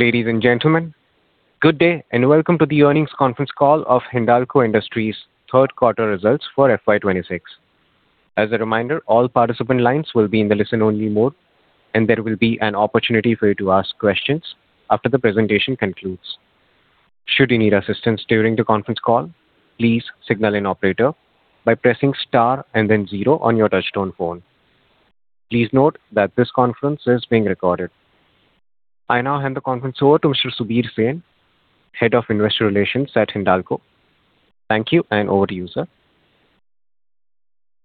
Ladies and gentlemen, good day, and welcome to the Earnings Conference Call of Hindalco Industries' Third Quarter Results for FY 2026. As a reminder, all participant lines will be in the listen-only mode, and there will be an opportunity for you to ask questions after the presentation concludes. Should you need assistance during the conference call, please signal an operator by pressing star and then zero on your touchtone phone. Please note that this conference is being recorded. I now hand the conference over to Mr. Subir Sen, Head of Investor Relations at Hindalco. Thank you, and over to you, sir.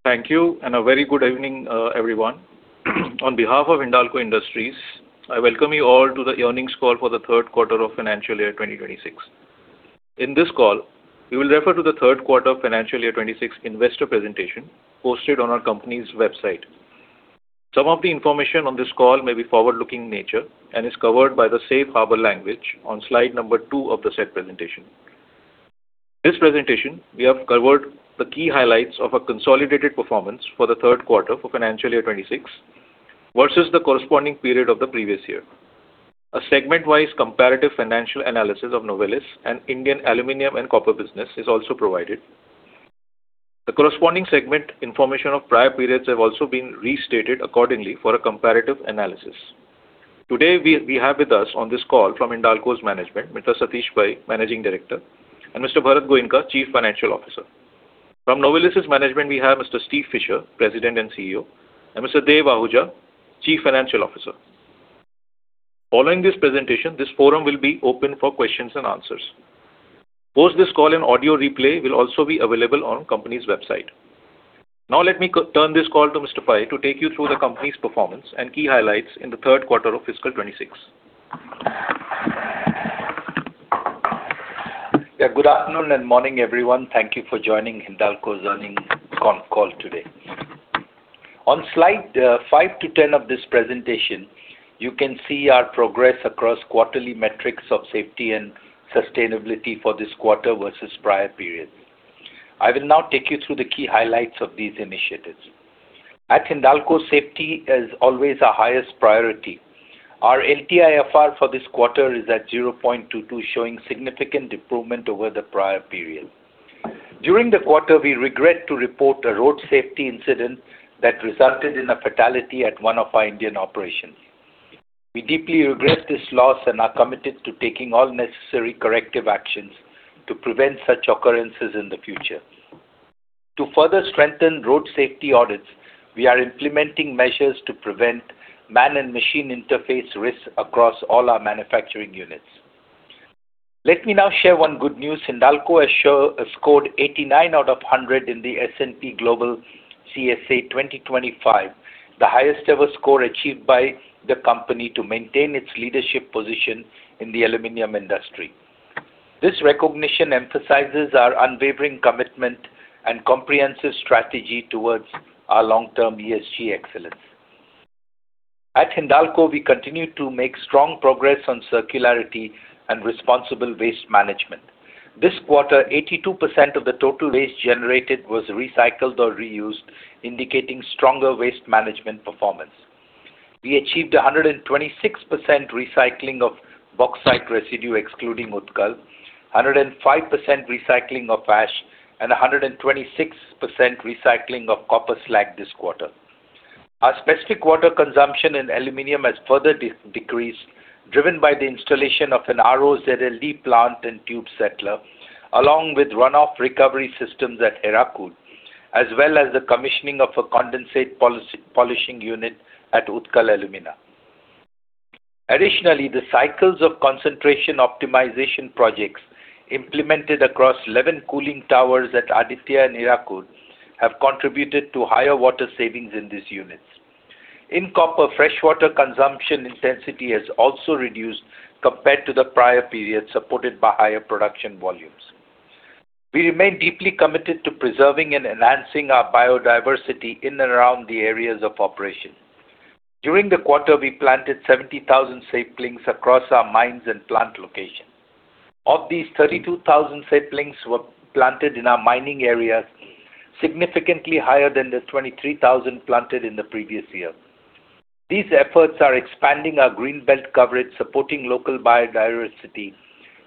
Thank you, and a very good evening, everyone. On behalf of Hindalco Industries, I welcome you all to the earnings call for the third quarter of financial year 2026. In this call, we will refer to the third quarter of financial year 2026 investor presentation posted on our company's website. Some of the information on this call may be forward-looking in nature and is covered by the safe harbor language on slide number 2 of the said presentation. This presentation, we have covered the key highlights of a consolidated performance for the third quarter for financial year 2026 versus the corresponding period of the previous year. A segment-wise comparative financial analysis of Novelis and Indian Aluminum and Copper business is also provided. The corresponding segment information of prior periods have also been restated accordingly for a comparative analysis. Today, we have with us on this call from Hindalco's management, Mr. Satish Pai, Managing Director, and Mr. Bharat Goenka, Chief Financial Officer. From Novelis's management, we have Mr. Steve Fisher, President and CEO, and Mr. Dev Ahuja, Chief Financial Officer. Following this presentation, this forum will be open for questions and answers. Post this call, an audio replay will also be available on company's website. Now, let me turn this call to Mr. Pai to take you through the company's performance and key highlights in the third quarter of fiscal 2026. Yeah, good afternoon and morning, everyone. Thank you for joining Hindalco's earnings conference call today. On slide 5-10 of this presentation, you can see our progress across quarterly metrics of safety and sustainability for this quarter versus prior periods. I will now take you through the key highlights of these initiatives. At Hindalco, safety is always our highest priority. Our LTIFR for this quarter is at 0.22, showing significant improvement over the prior period. During the quarter, we regret to report a road safety incident that resulted in a fatality at one of our Indian operations. We deeply regret this loss and are committed to taking all necessary corrective actions to prevent such occurrences in the future. To further strengthen road safety audits, we are implementing measures to prevent man and machine interface risks across all our manufacturing units. Let me now share one good news. Hindalco has scored 89 out of 100 in the S&P Global CSA 2025, the highest ever score achieved by the company to maintain its leadership position in the aluminum industry. This recognition emphasizes our unwavering commitment and comprehensive strategy towards our long-term ESG excellence. At Hindalco, we continue to make strong progress on circularity and responsible waste management. This quarter, 82% of the total waste generated was recycled or reused, indicating stronger waste management performance. We achieved 126% recycling of bauxite residue, excluding Utkal, 105% recycling of ash, and 126 recycling of copper slag this quarter. Our specific water consumption in aluminum has further decreased, driven by the installation of an RO/ZLD plant and tube settler, along with runoff recovery systems at Hirakud, as well as the commissioning of a condensate polishing unit at Utkal Alumina. Additionally, the cycles of concentration optimization projects implemented across 11 cooling towers at Aditya and Hirakud have contributed to higher water savings in these units. In copper, freshwater consumption intensity has also reduced compared to the prior period, supported by higher production volumes. We remain deeply committed to preserving and enhancing our biodiversity in and around the areas of operation. During the quarter, we planted 70,000 saplings across our mines and plant locations. Of these, 32,000 saplings were planted in our mining areas, significantly higher than the 23,000 planted in the previous year. These efforts are expanding our green belt coverage, supporting local biodiversity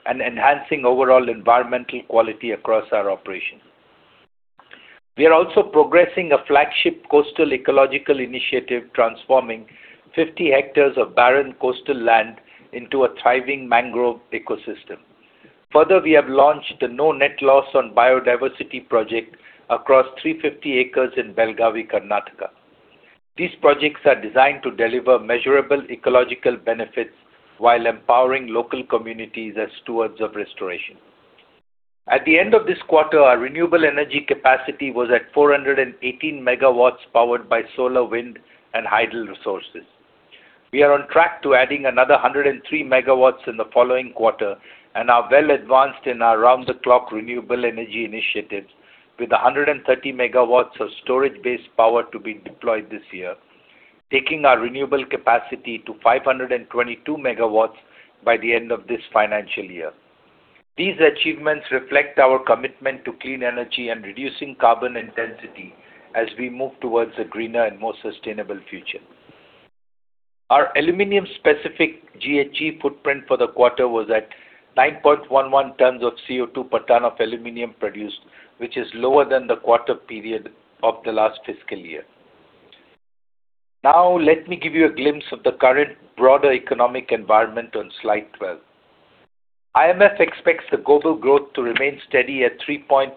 and enhancing overall environmental quality across our operations. We are also progressing a flagship coastal ecological initiative, transforming 50 hectares of barren coastal land into a thriving mangrove ecosystem. Further, we have launched the No Net Loss on Biodiversity project across 350 acres in Belgaum, Karnataka. These projects are designed to deliver measurable ecological benefits while empowering local communities as stewards of restoration. At the end of this quarter, our renewable energy capacity was at 418 MW, powered by solar, wind, and hydel resources. We are on track to adding another 103 MW in the following quarter and are well advanced in our round-the-clock renewable energy initiatives, with 130 MW of storage-based power to be deployed this year, taking our renewable capacity to 522 MW by the end of this financial year. These achievements reflect our commitment to clean energy and reducing carbon intensity as we move towards a greener and more sustainable future. Our aluminum specific GHG footprint for the quarter was at 9.11 tons of CO2 per ton of aluminum produced, which is lower than the quarter period of the last fiscal year. Now, let me give you a glimpse of the current broader economic environment on slide 12. IMF expects the global growth to remain steady at 3.3%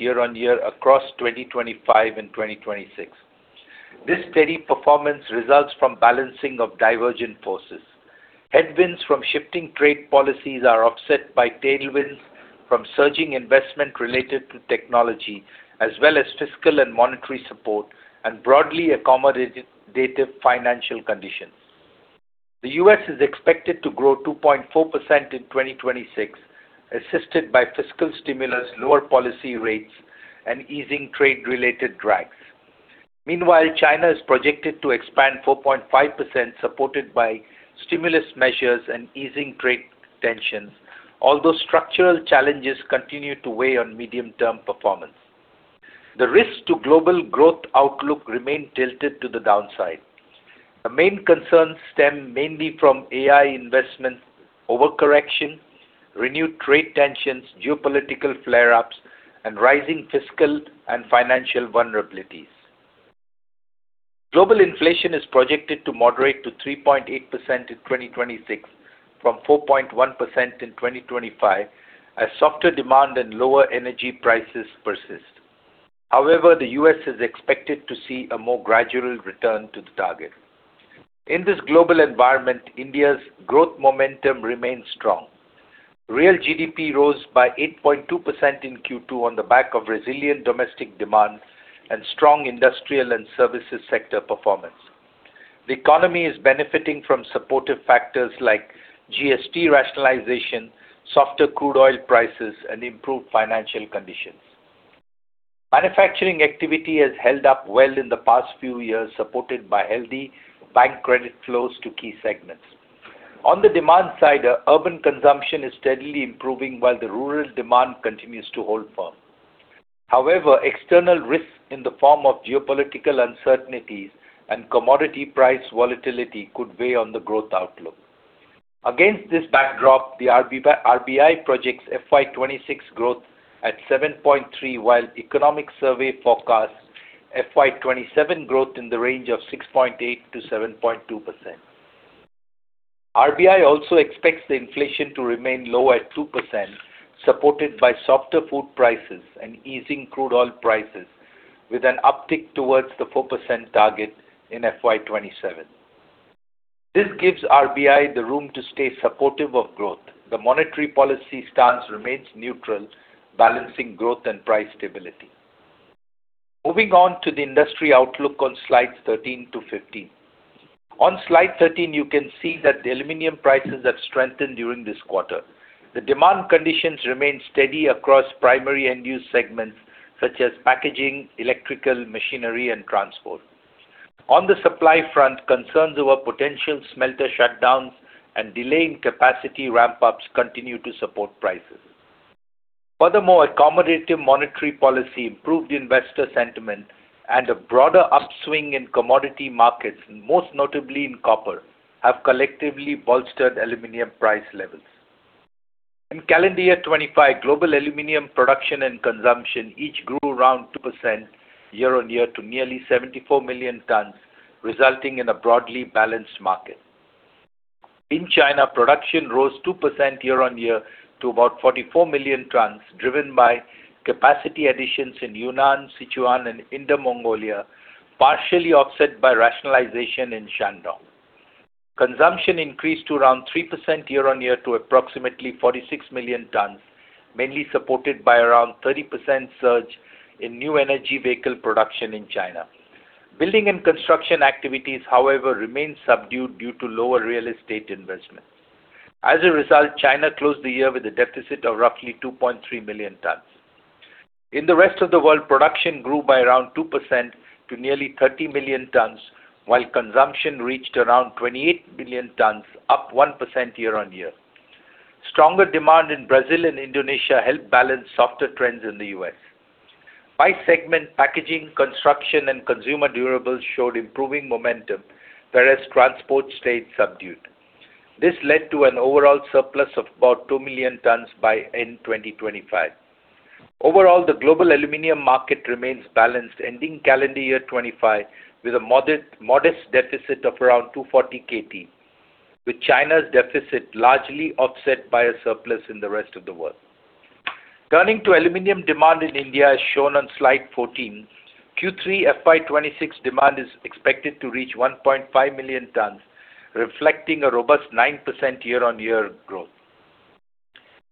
year-on-year across 2025 and 2026. This steady performance results from balancing of divergent forces. Headwinds from shifting trade policies are offset by tailwinds from surging investment related to technology, as well as fiscal and monetary support, and broadly accommodative financial conditions. The US is expected to grow 2.4% in 2026, assisted by fiscal stimulus, lower policy rates, and easing trade-related drags. Meanwhile, China is projected to expand 4.5%, supported by stimulus measures and easing trade tensions, although structural challenges continue to weigh on medium-term performance. The risks to global growth outlook remain tilted to the downside. The main concerns stem mainly from AI investments, overcorrection, renewed trade tensions, geopolitical flare-ups, and rising fiscal and financial vulnerabilities. Global inflation is projected to moderate to 3.8% in 2026, from 4.1% in 2025, as softer demand and lower energy prices persist. However, the U.S. is expected to see a more gradual return to the target. In this global environment, India's growth momentum remains strong. Real GDP rose by 8.2% in Q2 on the back of resilient domestic demand and strong industrial and services sector performance. The economy is benefiting from supportive factors like GST rationalization, softer crude oil prices, and improved financial conditions. Manufacturing activity has held up well in the past few years, supported by healthy bank credit flows to key segments. On the demand side, urban consumption is steadily improving, while the rural demand continues to hold firm. However, external risks in the form of geopolitical uncertainties and commodity price volatility could weigh on the growth outlook. Against this backdrop, the RBI projects FY 2026 growth at 7.3, while economic survey forecasts FY 2027 growth in the range of 6.8%-7.2%. RBI also expects the inflation to remain low at 2%, supported by softer food prices and easing crude oil prices, with an uptick towards the 4% target in FY 2027. This gives RBI the room to stay supportive of growth. The monetary policy stance remains neutral, balancing growth and price stability. Moving on to the industry outlook on slides 13-15. On Slide 13, you can see that the aluminum prices have strengthened during this quarter. The demand conditions remain steady across primary end use segments such as packaging, electrical, machinery, and transport. On the supply front, concerns over potential smelter shutdowns and delay in capacity ramp-ups continue to support prices. Furthermore, accommodative monetary policy, improved investor sentiment, and a broader upswing in commodity markets, most notably in copper, have collectively bolstered aluminum price levels. In calendar year 2025, global aluminum production and consumption each grew around 2% year-on-year to nearly 74 million tons, resulting in a broadly balanced market. In China, production rose 2% year-on-year to about 44 million tons, driven by capacity additions in Yunnan, Sichuan and Inner Mongolia, partially offset by rationalization in Shandong. Consumption increased to around 3% year-on-year to approximately 46 million tons, mainly supported by around 30% surge in new energy vehicle production in China. Building and construction activities, however, remain subdued due to lower real estate investments. As a result, China closed the year with a deficit of roughly 2.3 million tons. In the rest of the world, production grew by around 2% to nearly 30 million tons, while consumption reached around 28 million tons, up 1% year-on-year. Stronger demand in Brazil and Indonesia helped balance softer trends in the US. By segment, packaging, construction, and consumer durables showed improving momentum, whereas transport stayed subdued. This led to an overall surplus of about 2 million tons by end 2025. Overall, the global aluminum market remains balanced, ending calendar year 2025 with a modest deficit of around 240 KT, with China's deficit largely offset by a surplus in the rest of the world. Turning to aluminum demand in India, as shown on slide 14, Q3, FY 2026 demand is expected to reach 1.5 million tons, reflecting a robust 9% year-on-year growth.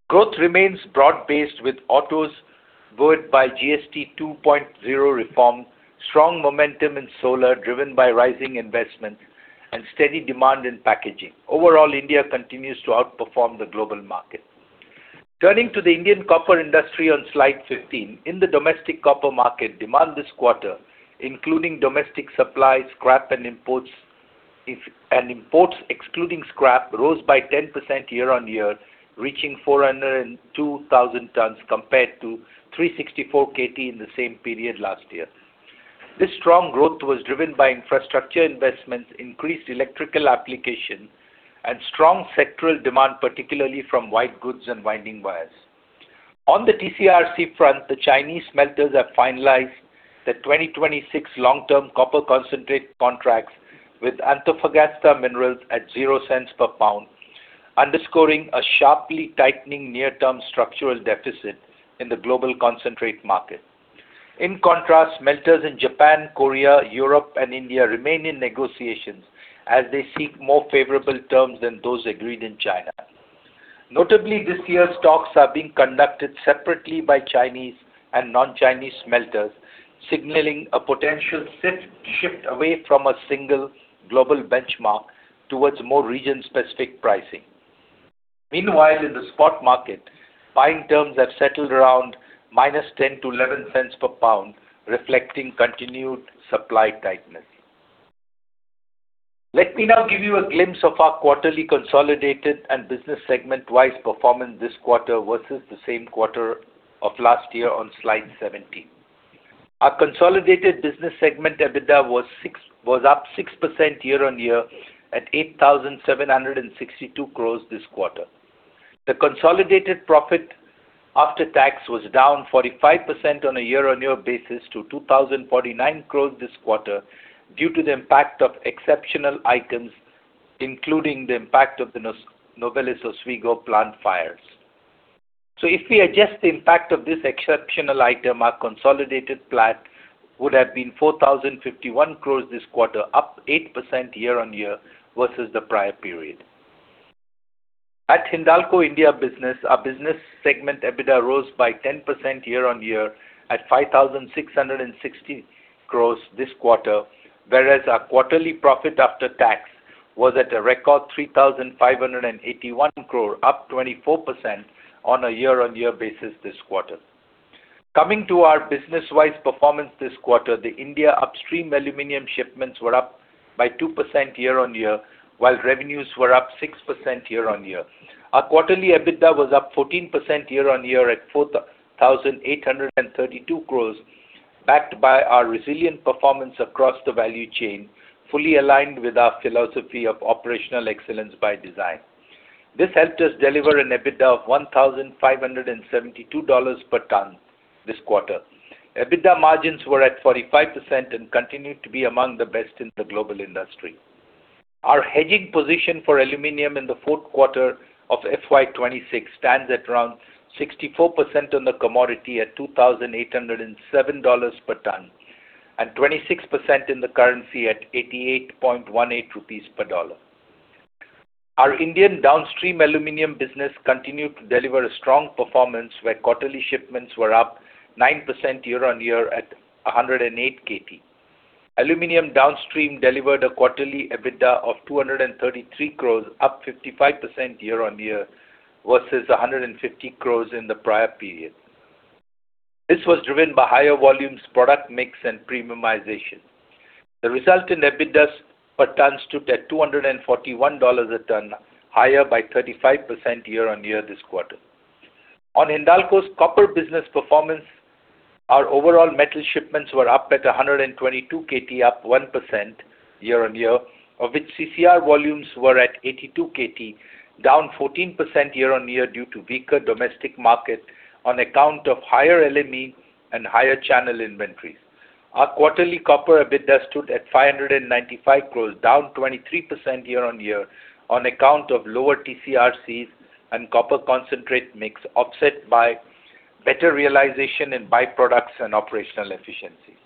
Growth remains broad-based, with autos boomed by GST 2.0 reform, strong momentum in solar, driven by rising investment and steady demand in packaging. Overall, India continues to outperform the global market. Turning to the Indian copper industry on slide 15. In the domestic copper market, demand this quarter, including domestic supply, scrap, and imports, and imports excluding scrap, rose by 10% year-on-year, reaching 402,000 tons, compared to 364 KT in the same period last year. This strong growth was driven by infrastructure investments, increased electrical application, and strong sectoral demand, particularly from white goods and winding wires. On the TCRC front, the Chinese smelters have finalized the 2026 long-term copper concentrate contracts with Antofagasta Minerals at 0 cents per pound, underscoring a sharply tightening near-term structural deficit in the global concentrate market. In contrast, smelters in Japan, Korea, Europe, and India remain in negotiations as they seek more favorable terms than those agreed in China. Notably, this year's talks are being conducted separately by Chinese and non-Chinese smelters, signaling a potential shift away from a single global benchmark towards more region-specific pricing. Meanwhile, in the spot market, buying terms have settled around -$0.10-$0.11 per pound, reflecting continued supply tightness. Let me now give you a glimpse of our quarterly consolidated and business segment-wise performance this quarter versus the same quarter of last year on Slide 17. Our consolidated business segment EBITDA was up 6% year-on-year at 8,762 crore this quarter. The consolidated profit after tax was down 45% on a year-on-year basis to 2,049 crore this quarter, due to the impact of exceptional items, including the impact of the Novelis Oswego plant fires. So if we adjust the impact of this exceptional item, our consolidated profit would have been 4,051 crore this quarter, up 8% year-on-year versus the prior period. At Hindalco India business, our business segment, EBITDA, rose by 10% year-on-year at 5,660 crore this quarter, whereas our quarterly profit after tax was at a record 3,581 crore, up 24% on a year-on-year basis this quarter. Coming to our business-wise performance this quarter, the India upstream aluminum shipments were up by 2% year-on-year, while revenues were up 6% year-on-year. Our quarterly EBITDA was up 14% year-on-year at 4,832 crore, backed by our resilient performance across the value chain, fully aligned with our philosophy of operational excellence by design. This helped us deliver an EBITDA of $1,572 per ton this quarter. EBITDA margins were at 45% and continued to be among the best in the global industry. Our hedging position for aluminum in the fourth quarter of FY 2026 stands at around 64% on the commodity at $2,807 per ton, and 26% in the currency at 88.18 rupees per dollar. Our Indian downstream aluminum business continued to deliver a strong performance, where quarterly shipments were up 9% year-on-year at 108 KT. Aluminum downstream delivered a quarterly EBITDA of 233 crore, up 55% year-on-year, versus 150 crore in the prior period. This was driven by higher volumes, product mix, and premiumization. The result in EBITDAs per ton stood at $241 a ton, higher by 35% year-on-year this quarter. On Hindalco's copper business performance, our overall metal shipments were up at 122 KT, up 1% year-on-year, of which CCR volumes were at 82 KT, down 14% year-on-year, due to weaker domestic market on account of higher LME and higher channel inventories. Our quarterly copper EBITDA stood at 595 crore, down 23% year-on-year on account of lower TCRCs and copper concentrate mix, offset by better realization in byproducts and operational efficiency.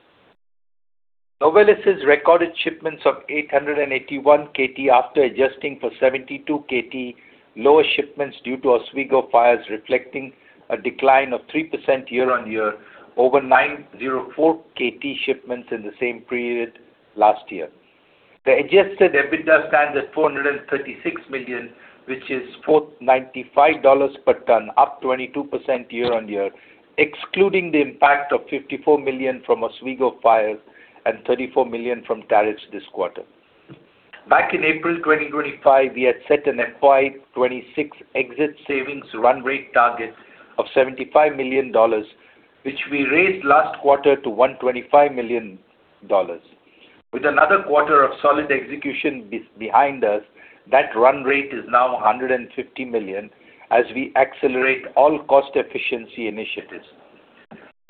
Novelis' recorded shipments of 881 KT, after adjusting for 72 KT lower shipments due to Oswego fires, reflecting a decline of 3% year-on-year over 904 KT shipments in the same period last year. The adjusted EBITDA stands at $436 million, which is $4.95 per ton, up 22% year-on-year, excluding the impact of $54 million from Oswego fires and $34 million from tariffs this quarter. Back in April 2025, we had set an FY 2026 exit savings run rate target of $75 million, which we raised last quarter to $125 million. With another quarter of solid execution behind us, that run rate is now $150 million as we accelerate all cost efficiency initiatives.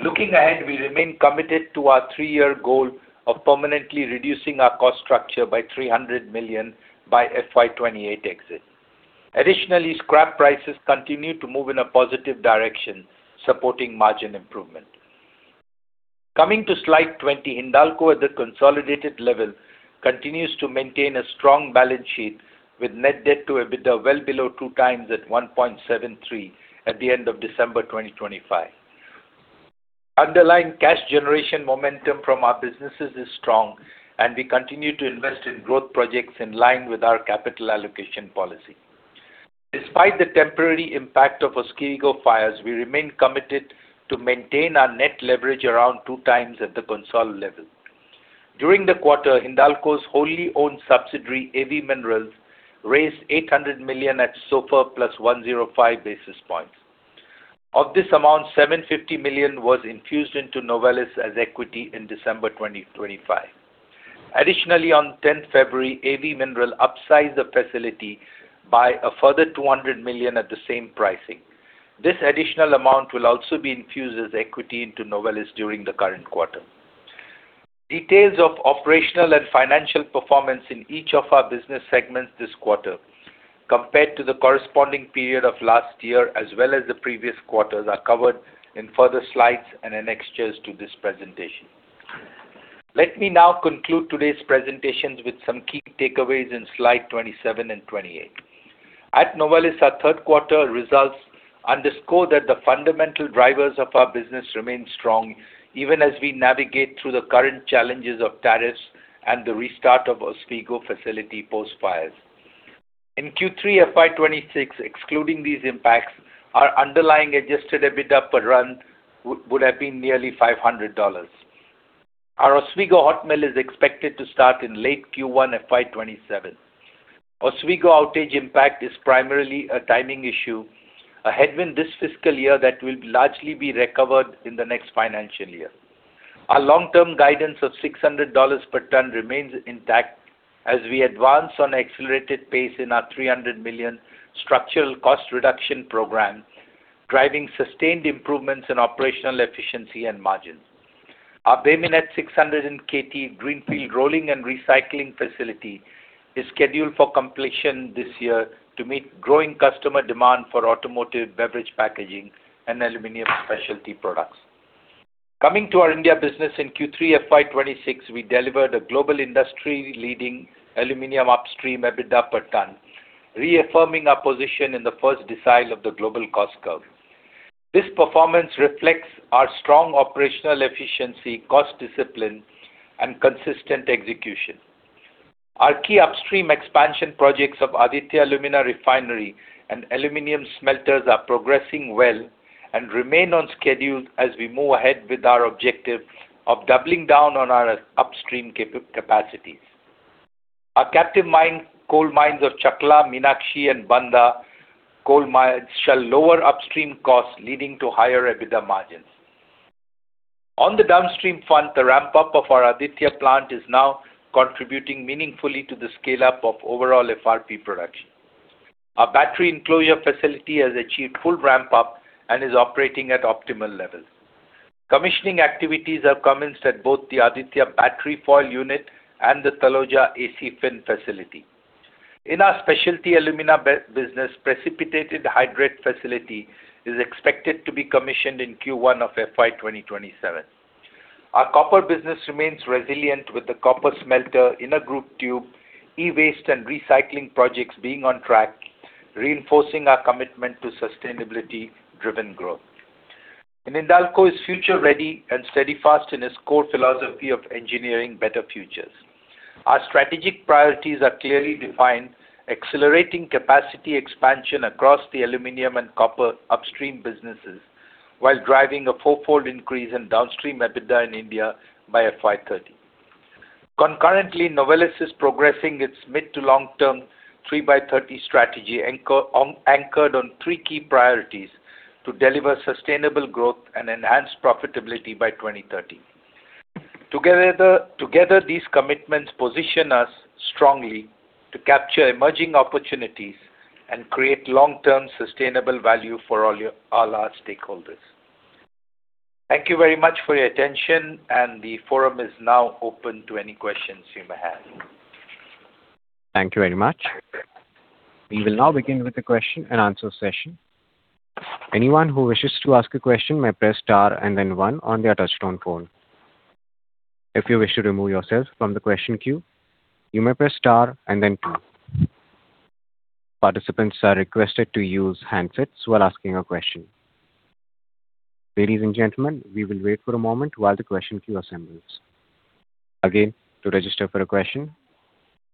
Looking ahead, we remain committed to our three-year goal of permanently reducing our cost structure by $300 million by FY 2028 exit. Additionally, scrap prices continue to move in a positive direction, supporting margin improvement. Coming to Slide 20, Hindalco, at the consolidated level, continues to maintain a strong balance sheet with net debt to EBITDA well below 2x at 1.73 at the end of December 2025. Underlying cash generation momentum from our businesses is strong, and we continue to invest in growth projects in line with our capital allocation policy. Despite the temporary impact of Oswego fires, we remain committed to maintain our net leverage around 2x at the consolidated level. During the quarter, Hindalco's wholly owned subsidiary, AV Minerals, raised $800 million at SOFR + 105 basis points. Of this amount, $750 million was infused into Novelis as equity in December 2025. Additionally, on February 10, AV Minerals upsized the facility by a further $200 million at the same pricing. This additional amount will also be infused as equity into Novelis during the current quarter. Details of operational and financial performance in each of our business segments this quarter, compared to the corresponding period of last year, as well as the previous quarters, are covered in further slides and annexures to this presentation. Let me now conclude today's presentations with some key takeaways in slide 27 and 28. At Novelis, our third quarter results underscore that the fundamental drivers of our business remain strong, even as we navigate through the current challenges of tariffs and the restart of Oswego facility post-fires. In Q3 FY 2026, excluding these impacts, our underlying adjusted EBITDA per run would have been nearly $500. Our Oswego hot mill is expected to start in late Q1 FY 2027. Oswego outage impact is primarily a timing issue, a headwind this fiscal year that will largely be recovered in the next financial year. Our long-term guidance of $600 per ton remains intact as we advance on accelerated pace in our $300 million structural cost reduction program, driving sustained improvements in operational efficiency and margins. Our Bay Minette 600 KT greenfield rolling and recycling facility is scheduled for completion this year to meet growing customer demand for automotive, beverage packaging, and aluminum specialty products. Coming to our India business in Q3 FY 2026, we delivered a global industry-leading aluminum upstream EBITDA per ton, reaffirming our position in the first decile of the global cost curve. This performance reflects our strong operational efficiency, cost discipline, and consistent execution. Our key upstream expansion projects of Aditya Alumina Refinery and aluminum smelters are progressing well and remain on schedule as we move ahead with our objective of doubling down on our upstream capacities. Our captive mine, coal mines of Chakla, Meenakshi, and Bandha coal mines shall lower upstream costs, leading to higher EBITDA margins. On the downstream front, the ramp-up of our Aditya plant is now contributing meaningfully to the scale-up of overall FRP production. Our battery enclosure facility has achieved full ramp-up and is operating at optimal levels. Commissioning activities have commenced at both the Aditya Battery Foil unit and the Taloja AC Fin facility. In our specialty alumina business, precipitated hydrate facility is expected to be commissioned in Q1 of FY 2027. Our copper business remains resilient, with the copper smelter in a group, too, e-waste and recycling projects being on track, reinforcing our commitment to sustainability-driven growth. Hindalco is future-ready and steadfast in its core philosophy of engineering better futures. Our strategic priorities are clearly defined, accelerating capacity expansion across the aluminum and copper upstream businesses, while driving a fourfold increase in downstream EBITDA in India by FY 30. Concurrently, Novelis is progressing its mid- to long-term 3x30 strategy anchored on three key priorities to deliver sustainable growth and enhance profitability by 2030. Together, these commitments position us strongly to capture emerging opportunities and create long-term sustainable value for all our large stakeholders. Thank you very much for your attention, and the forum is now open to any questions you may have. Thank you very much. We will now begin with the question and answer session. Anyone who wishes to ask a question may press star and then one on their touchtone phone. If you wish to remove yourself from the question queue, you may press star and then two. Participants are requested to use handsets while asking a question. Ladies and gentlemen, we will wait for a moment while the question queue assembles. Again, to register for a question,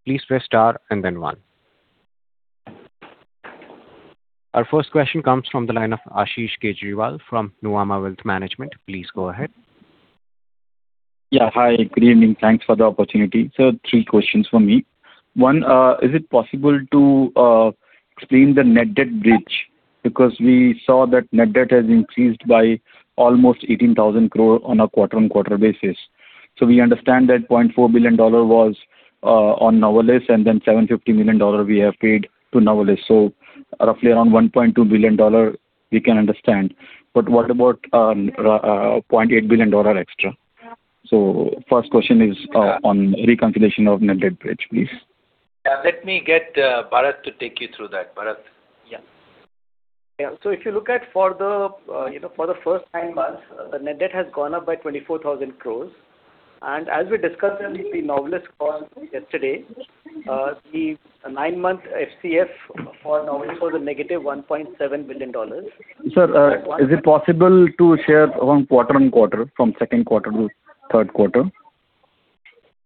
please press star and then one. Our first question comes from the line of Ashish Kejriwal from Nuvama Wealth Management. Please go ahead. Yeah. Hi, good evening. Thanks for the opportunity. So 3 questions for me. 1, is it possible to explain the net debt bridge? Because we saw that net debt has increased by almost 18,000 crore on a quarter-on-quarter basis. So we understand that $0.4 billion was on Novelis, and then $750 million we have paid to Novelis. So roughly around $1.2 billion we can understand. But what about $0.8 billion extra? So first question is on reconciliation of net debt bridge, please. Yeah, let me get, Bharat to take you through that. Bharat? Yeah. Yeah, so if you look at for the, you know, for the first nine months, the net debt has gone up by 24,000 crore. And as we discussed in the Novelis call yesterday, the nine-month FCF for Novelis was a negative $1.7 billion. Sir, is it possible to share around quarter-on-quarter, from second quarter to third quarter?...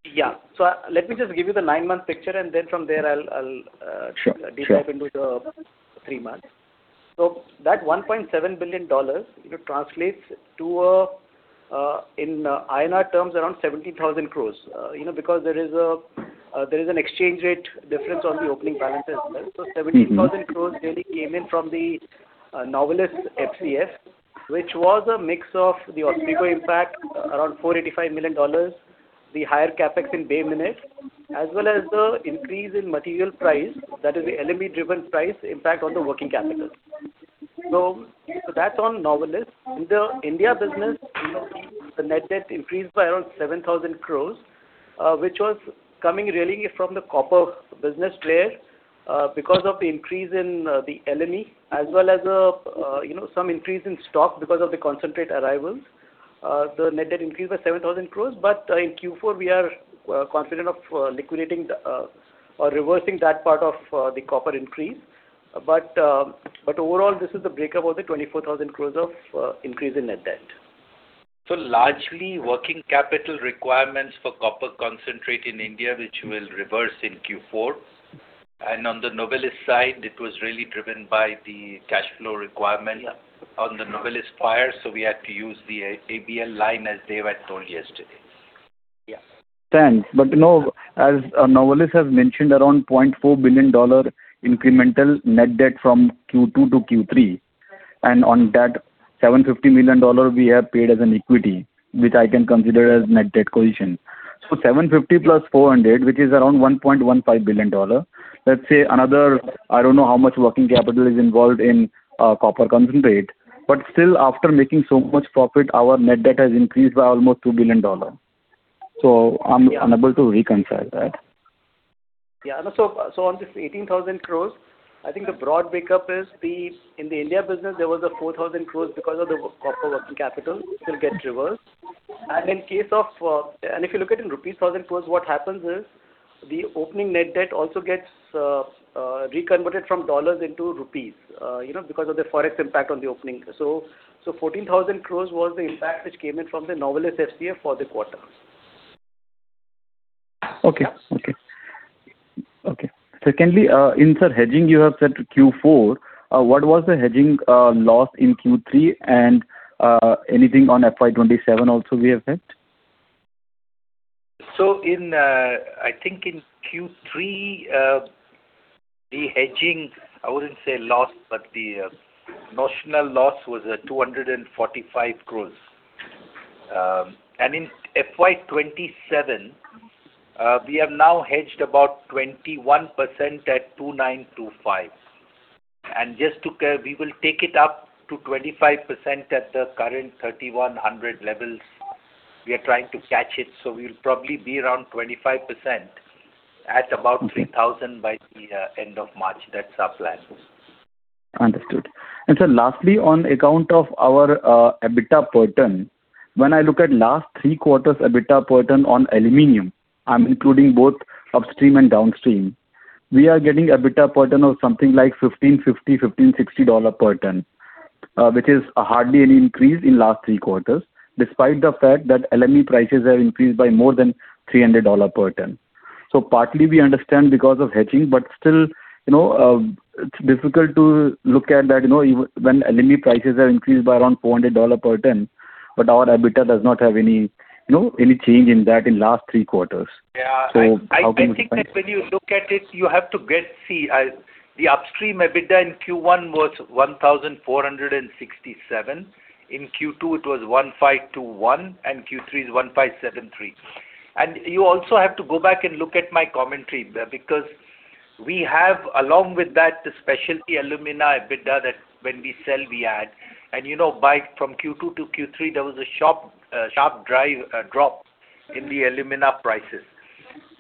Yeah. So let me just give you the nine-month picture, and then from there, I'll deep dive into the three months. So that $1.7 billion, it translates to in INR terms, around 70,000 crore. You know, because there is a there is an exchange rate difference on the opening balance as well. So 70,000 crore really came in from the Novelis FCF, which was a mix of the ongoing impact, around $485 million, the higher CapEx in Bay Minette, as well as the increase in material price, that is the LME-driven price impact on the working capital. So that's on Novelis. In the India business, the net debt increased by around 7,000 crore, which was coming really from the copper business layer, because of the increase in, the LME, as well as, you know, some increase in stock because of the concentrate arrivals. The net debt increased by 7,000 crore, but in Q4, we are, confident of, liquidating the, or reversing that part of, the copper increase. But, but overall, this is the breakup of the 24,000 crore of, increase in net debt. Largely, working capital requirements for copper concentrate in India, which will reverse in Q4. On the Novelis side, it was really driven by the cash flow requirement- Yeah. On the Novelis fire, so we had to use the ABL line as Dev had told yesterday. Yeah. Thanks. But, you know, as Novelis has mentioned, around $0.4 billion incremental net debt from Q2 to Q3, and on that, $750 million we have paid as an equity, which I can consider as net debt accretion. So 750 plus 400, which is around $1.15 billion. Let's say another, I don't know how much working capital is involved in copper concentrate, but still, after making so much profit, our net debt has increased by almost $2 billion. So I'm unable to reconcile that. Yeah. So on this 18,000 crore, I think the broad breakup is the, in the India business, there was a 4,000 crore because of the copper working capital, it will get reversed. And in case of, And if you look at in rupees, 1,000 crore, what happens is, the opening net debt also gets reconverted from dollars into rupees, you know, because of the Forex impact on the opening. So 14,000 crore was the impact which came in from the Novelis FCF for the quarter. Okay. Secondly, in copper hedging, you have said Q4, what was the hedging loss in Q3 and anything on FY 2027 also, will it affect? So in, I think in Q3, the hedging, I wouldn't say loss, but the notional loss was 245 crore. And in FY 2027, we have now hedged about 21% at $2,925. And just to We will take it up to 25% at the current 3,100 levels. We are trying to catch it, so we'll probably be around 25% at about 3,000 by the end of March. That's our plan. Understood. Sir, lastly, on account of our EBITDA per ton, when I look at last three quarters, EBITDA per ton on aluminum, I'm including both upstream and downstream. We are getting EBITDA per ton of something like $1,550, $1,560 per ton, which is hardly any increase in last three quarters, despite the fact that LME prices have increased by more than $300 per ton. So partly we understand because of hedging, but still, you know, it's difficult to look at that, you know, even when LME prices have increased by around $400 per ton, but our EBITDA does not have any, you know, any change in that in last three quarters. Yeah. How can you- I think that when you look at it, you have to see the upstream EBITDA in Q1 was 1,467. In Q2, it was 1,521, and Q3 is 1,573. And you also have to go back and look at my commentary, because we have, along with that, the specialty alumina EBITDA, that when we sell, we add. And you know, but from Q2 to Q3, there was a sharp drop in the alumina prices.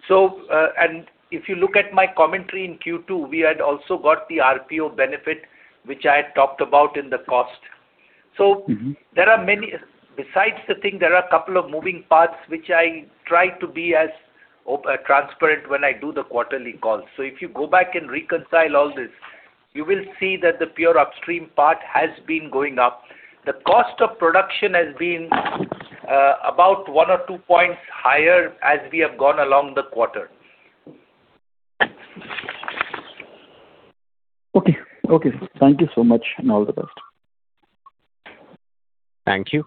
So, and if you look at my commentary in Q2, we had also got the RPO benefit, which I had talked about in the cost. Mm-hmm. So there are many. Besides the thing, there are a couple of moving parts, which I try to be as transparent when I do the quarterly calls. So if you go back and reconcile all this, you will see that the pure upstream part has been going up. The cost of production has been about one or two points higher as we have gone along the quarter. Okay. Okay. Thank you so much, and all the best. Thank you.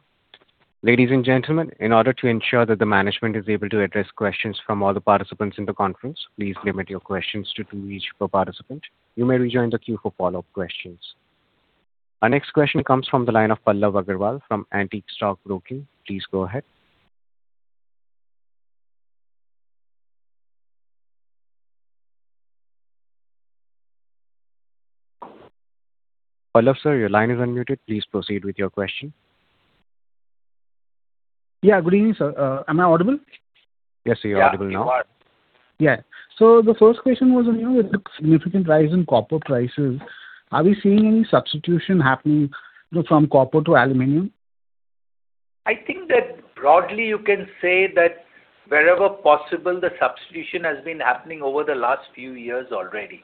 Ladies and gentlemen, in order to ensure that the management is able to address questions from all the participants in the conference, please limit your questions to two each per participant. You may rejoin the queue for follow-up questions. Our next question comes from the line of Pallav Agarwal from Antique Stock Broking. Please go ahead. Pallav, sir, your line is unmuted. Please proceed with your question. Yeah, good evening, sir. Am I audible? Yes, you're audible now. Yeah, you are. Yeah. So the first question was on you, with the significant rise in copper prices, are we seeing any substitution happening, you know, from copper to aluminum? I think that broadly you can say that wherever possible, the substitution has been happening over the last few years already.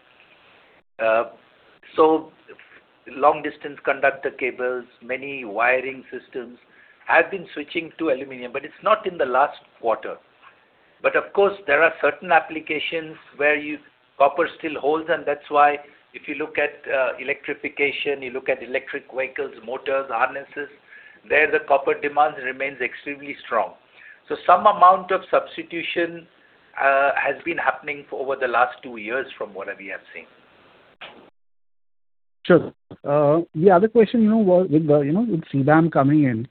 Long-distance conductor cables, many wiring systems have been switching to aluminum, but it's not in the last quarter. But of course, there are certain applications where copper still holds, and that's why if you look at electrification, you look at electric vehicles, motors, harnesses, there the copper demand remains extremely strong. So some amount of substitution has been happening over the last two years from what we have seen. Sure. The other question, you know, with the, you know, with CBAM coming in,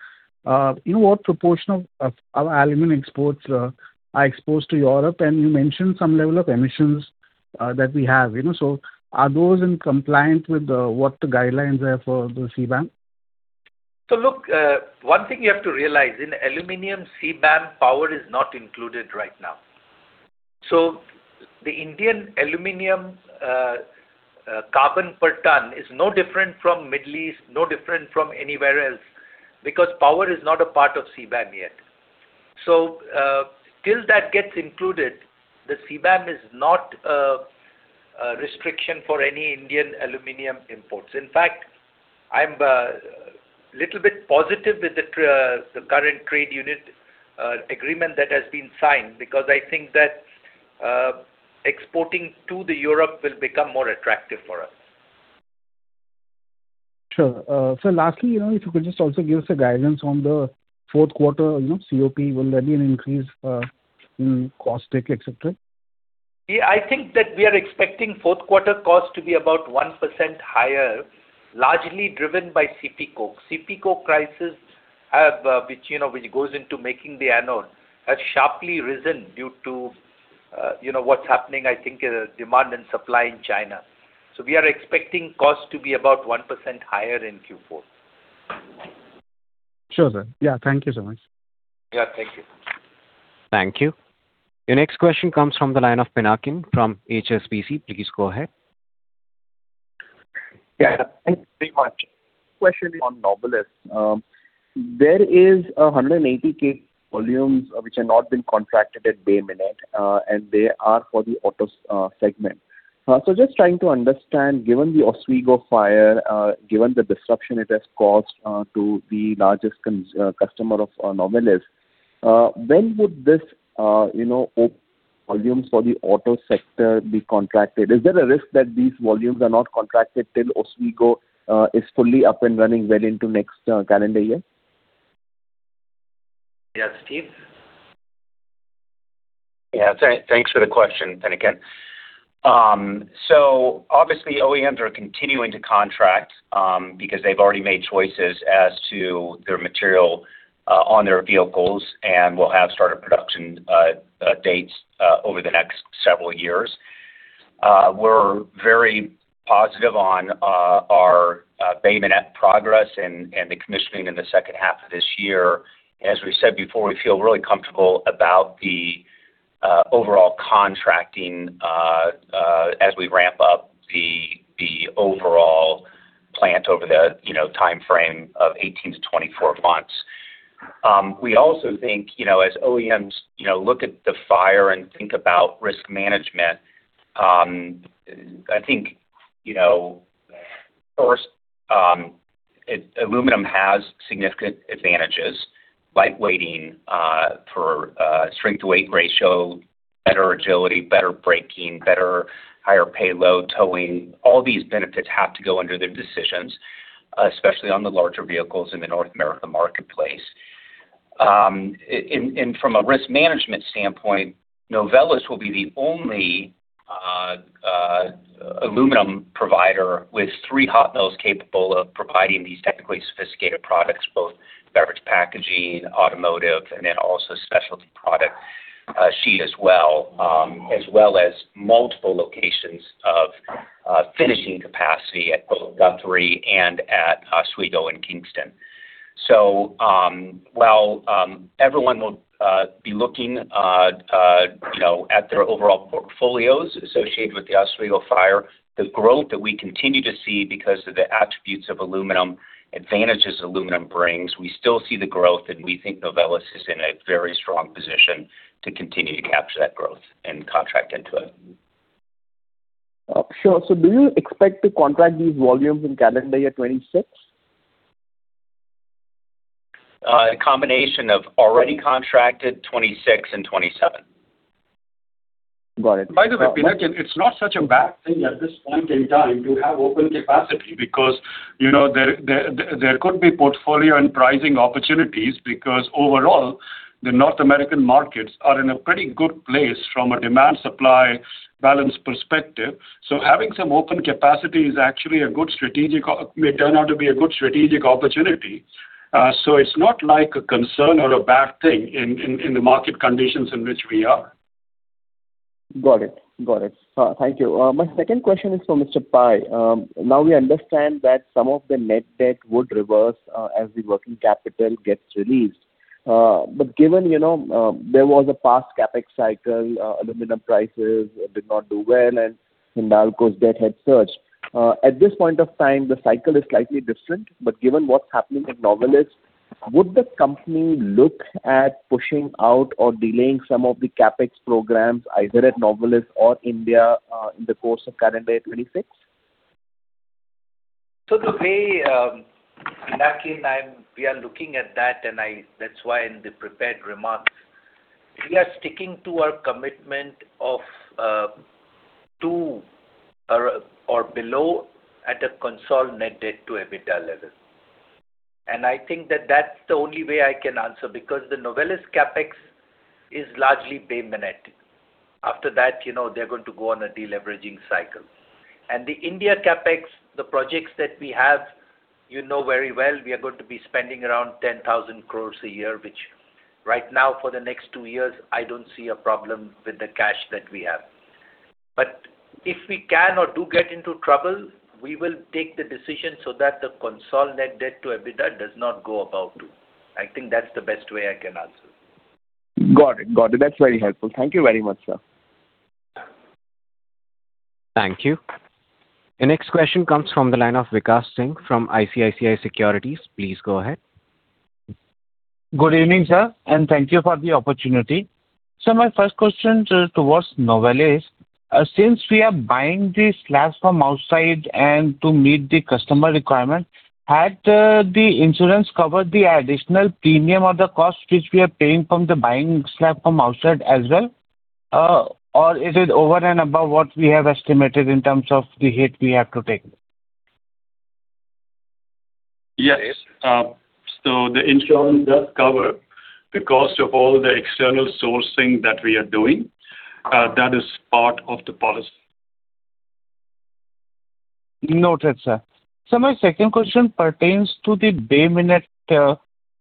you know what proportion of, of our aluminum exports are exposed to Europe? And you mentioned some level of emissions that we have, you know, so are those in compliance with what the guidelines are for the CBAM? So look, one thing you have to realize, in aluminum, CBAM power is not included right now. So the Indian aluminum, carbon per ton is no different from Middle East, no different from anywhere else, because power is not a part of CBAM yet. So, till that gets included, the CBAM is not a restriction for any Indian aluminum imports. In fact, I'm little bit positive with the current trade agreement that has been signed, because I think that, exporting to Europe will become more attractive for us. Sure. So lastly, you know, if you could just also give us a guidance on the fourth quarter, you know, COP, will there be an increase in cost take, et cetera? Yeah, I think that we are expecting fourth quarter cost to be about 1% higher, largely driven by CP Coke. CP Coke prices have, which, you know, which goes into making the anode, has sharply risen due to, you know, what's happening, I think, in the demand and supply in China. So we are expecting costs to be about 1% higher in Q4. Sure, sir. Yeah, thank you so much. Yeah, thank you. Thank you. Your next question comes from the line of Pinakin from HSBC. Please go ahead. Yeah, thank you very much. Question on Novelis. There is 180 K volumes which have not been contracted at Bay Minette, and they are for the auto segment. So just trying to understand, given the Oswego fire, given the disruption it has caused, to the largest customer of Novelis, when would this, you know, open volumes for the auto sector be contracted? Is there a risk that these volumes are not contracted till Oswego is fully up and running well into next calendar year? Yes, Steve? Yeah, thanks for the question, Pinakin. So obviously, OEMs are continuing to contract, because they've already made choices as to their material on their vehicles, and will have started production dates over the next several years. We're very positive on our Bay Minette progress and the commissioning in the second half of this year. As we said before, we feel really comfortable about the overall contracting as we ramp up the overall plant over the, you know, timeframe of 18-24 months. We also think, you know, as OEMs, you know, look at the fire and think about risk management, I think, you know, of course, aluminum has significant advantages, like weighting, for, strength to weight ratio, better agility, better braking, better higher payload, towing, all these benefits have to go under their decisions, especially on the larger vehicles in the North America marketplace. And, and from a risk management standpoint, Novelis will be the only, aluminum provider with three hot mills capable of providing these technically sophisticated products, both beverage packaging, automotive, and then also specialty product, sheet as well. As well as multiple locations of, finishing capacity at both Guthrie and at Oswego and Kingston. So, while everyone will be looking, you know, at their overall portfolios associated with the Oswego fire, the growth that we continue to see because of the attributes of aluminum, advantages aluminum brings, we still see the growth, and we think Novelis is in a very strong position to continue to capture that growth and contract into it. Sure. So do you expect to contract these volumes in calendar year 2026? A combination of already contracted 2026 and 2027. Got it. By the way, Pinakin, it's not such a bad thing at this point in time to have open capacity, because, you know, there could be portfolio and pricing opportunities, because overall, the North American markets are in a pretty good place from a demand, supply, balance perspective. So having some open capacity is actually a good strategic may turn out to be a good strategic opportunity. So it's not like a concern or a bad thing in the market conditions in which we are. Got it. Got it. Thank you. My second question is for Mr. Pai. Now we understand that some of the net debt would reverse, as the working capital gets released. But given, you know, there was a past CapEx cycle, aluminum prices did not do well, and Hindalco's debt had surged. At this point of time, the cycle is slightly different, but given what's happening at Novelis... Would the company look at pushing out or delaying some of the CapEx programs, either at Novelis or India, in the course of calendar 2026? So the way, Pinakin and I, we are looking at that, and that's why in the prepared remarks, we are sticking to our commitment of two or below at a consolidated debt to EBITDA level. And I think that that's the only way I can answer, because the Novelis CapEx is largely Bay Minette. After that, you know, they're going to go on a deleveraging cycle. And the India CapEx, the projects that we have, you know very well, we are going to be spending around 10,000 crore a year, which right now, for the next two years, I don't see a problem with the cash that we have. But if we can or do get into trouble, we will take the decision so that the consolidated debt to EBITDA does not go above two. I think that's the best way I can answer. Got it. Got it. That's very helpful. Thank you very much, sir. Thank you. The next question comes from the line of Vikas Singh from ICICI Securities. Please go ahead. Good evening, sir, and thank you for the opportunity. So my first question towards Novelis. Since we are buying the slabs from outside and to meet the customer requirement, had the insurance covered the additional premium or the cost which we are paying from the buying slab from outside as well, or is it over and above what we have estimated in terms of the hit we have to take? Yes. So the insurance does cover the cost of all the external sourcing that we are doing. That is part of the policy. Noted, sir. So my second question pertains to the Bay Minette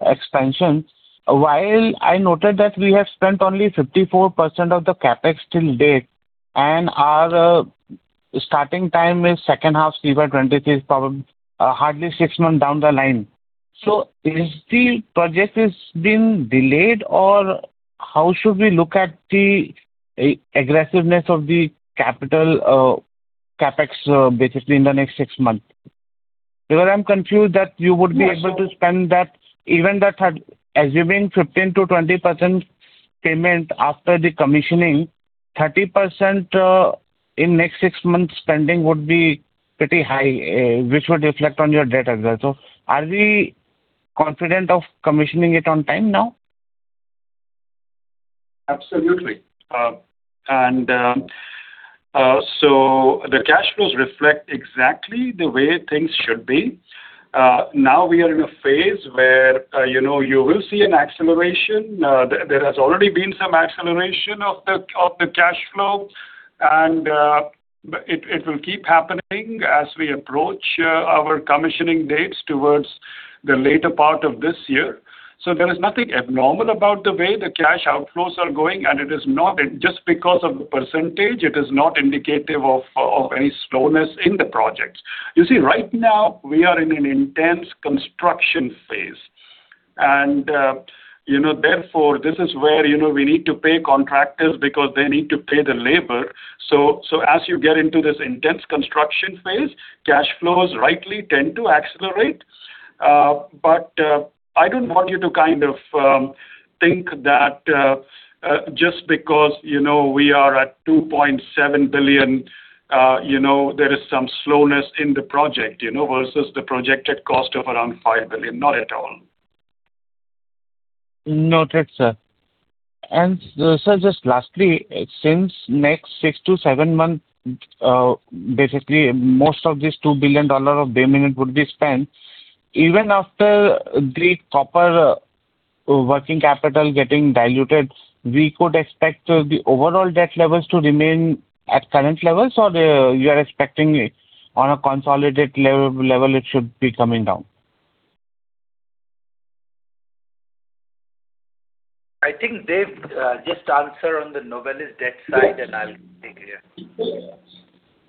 expansion. While I noted that we have spent only 54% of the CapEx till date, and our starting time is second half, FY 2023, is probably hardly six months down the line. So is the project has been delayed, or how should we look at the aggressiveness of the capital CapEx basically in the next six months? Because I'm confused that you would be able to spend that, even that had assuming 15%-20% payment after the commissioning, 30% in next six months, spending would be pretty high, which would reflect on your debt as well. So are we confident of commissioning it on time now? Absolutely. And so the cash flows reflect exactly the way things should be. Now we are in a phase where, you know, you will see an acceleration. There has already been some acceleration of the cash flow, and it will keep happening as we approach our commissioning dates towards the later part of this year. So there is nothing abnormal about the way the cash outflows are going, and it is not just because of the percentage; it is not indicative of any slowness in the project. You see, right now, we are in an intense construction phase. And you know, therefore, this is where, you know, we need to pay contractors because they need to pay the labor. So as you get into this intense construction phase, cash flows rightly tend to accelerate. But, I don't want you to kind of think that just because, you know, we are at $2.7 billion, you know, there is some slowness in the project, you know, versus the projected cost of around $5 billion. Not at all. Noted, sir. And, sir, just lastly, since next 6-7 months, basically, most of this $2 billion of Bay Minette would be spent, even after the proper working capital getting diluted, we could expect the overall debt levels to remain at current levels, or you are expecting on a consolidated level, it should be coming down? I think, Dev, just answer on the Novelis debt side, and I'll take it.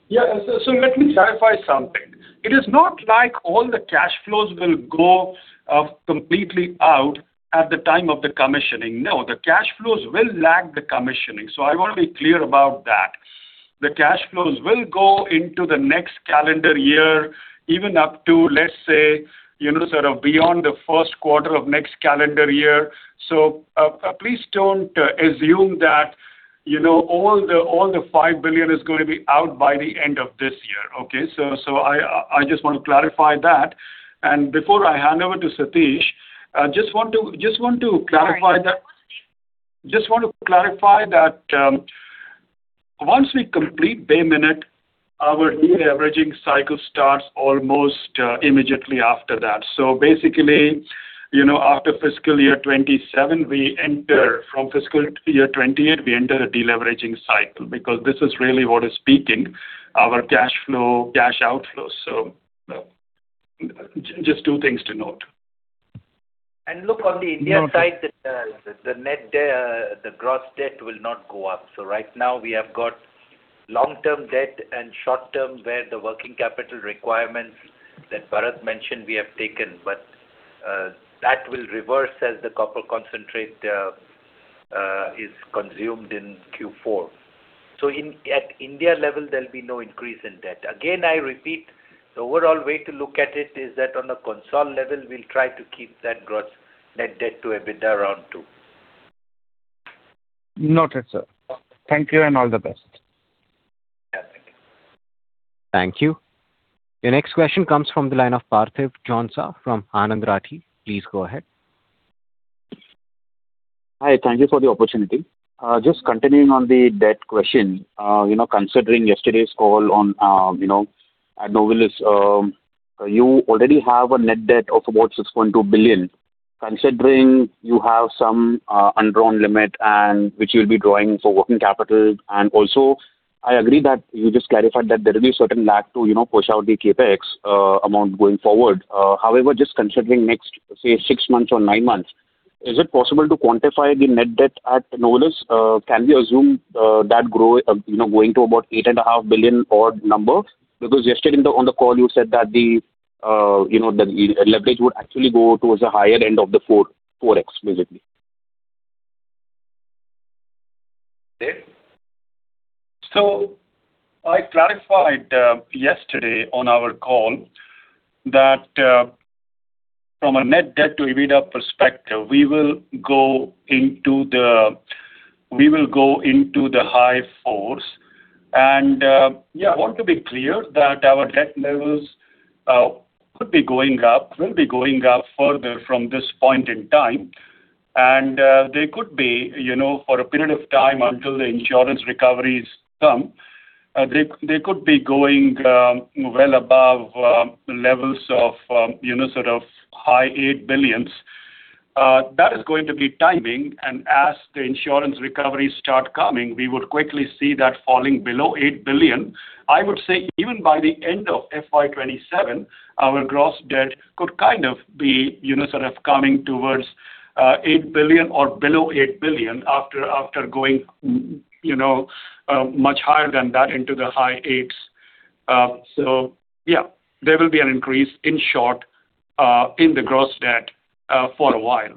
Yeah. So let me clarify something. It is not like all the cash flows will go completely out at the time of the commissioning. No, the cash flows will lag the commissioning, so I want to be clear about that. The cash flows will go into the next calendar year, even up to, let's say, you know, sort of beyond the first quarter of next calendar year. So please don't assume that, you know, all the $5 billion is going to be out by the end of this year, okay? So I just want to clarify that. And before I hand over to Satish, I just want to clarify that. Sorry. Just want to clarify that, once we complete Bay Minette, our deleveraging cycle starts almost immediately after that. So basically, you know, after fiscal year 2027, we enter- from fiscal year 2028, we enter a deleveraging cycle, because this is really what is speaking our cash flow, cash outflows. So, just two things to note. Look, on the India side, the net debt, the gross debt will not go up. So right now we have got long-term debt and short-term, where the working capital requirements that Bharat mentioned, we have taken, but that will reverse as the copper concentrate is consumed in Q4. So at India level, there will be no increase in debt. Again, I repeat, the overall way to look at it is that on a consol level, we'll try to keep that gross net debt to EBITDA around 2. Noted, sir. Thank you, and all the best. Yeah, thank you. Thank you. The next question comes from the line of Parthiv Jhonsa from Anand Rathi. Please go ahead. Hi, thank you for the opportunity. Just continuing on the debt question, you know, considering yesterday's call on, you know, at Novelis, you already have a net debt of about $6.2 billion. Considering you have some undrawn limit and which you'll be drawing for working capital, and also, I agree that you just clarified that there will be a certain lag to, you know, push out the CapEx amount going forward. However, just considering next, say, six months or nine months, is it possible to quantify the net debt at Novelis? Can we assume that grow, you know, going to about $8.5 billion odd number? Because yesterday on the call, you said that the, you know, the leverage would actually go towards the higher end of the 4.4x, basically. Dave? So I clarified yesterday on our call that from a net debt to EBITDA perspective, we will go into the high 4s. Yeah, I want to be clear that our debt levels could be going up, will be going up further from this point in time. They could be, you know, for a period of time until the insurance recoveries come, they could be going well above levels of, you know, sort of high $8 billion. That is going to be timing, and as the insurance recoveries start coming, we would quickly see that falling below $8 billion. I would say even by the end of FY 2027, our gross debt could kind of be, you know, sort of coming towards $8 billion or below $8 billion after, after going, you know, much higher than that into the high $8 billion. So yeah, there will be an increase, in short, in the gross debt, for a while.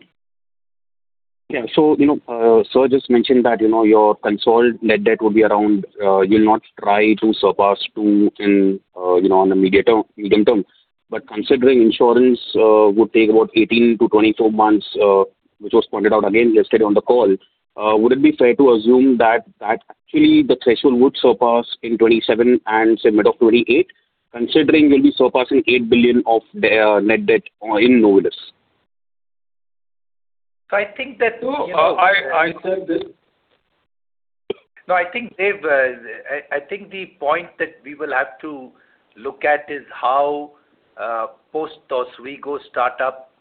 Yeah. So, you know, sir, just mentioned that, you know, your consolidated net debt will be around, you'll not try to surpass $2 billion, you know, on the medium term, medium term. But considering insurance, would take about 18-24 months, which was pointed out again yesterday on the call, would it be fair to assume that that actually the threshold would surpass in 2027 and say mid of 2028, considering you'll be surpassing $8 billion of the, net debt in Novelis? So I think that- No, I said this. No, I think, Dave, I think the point that we will have to look at is how, post Oswego start up,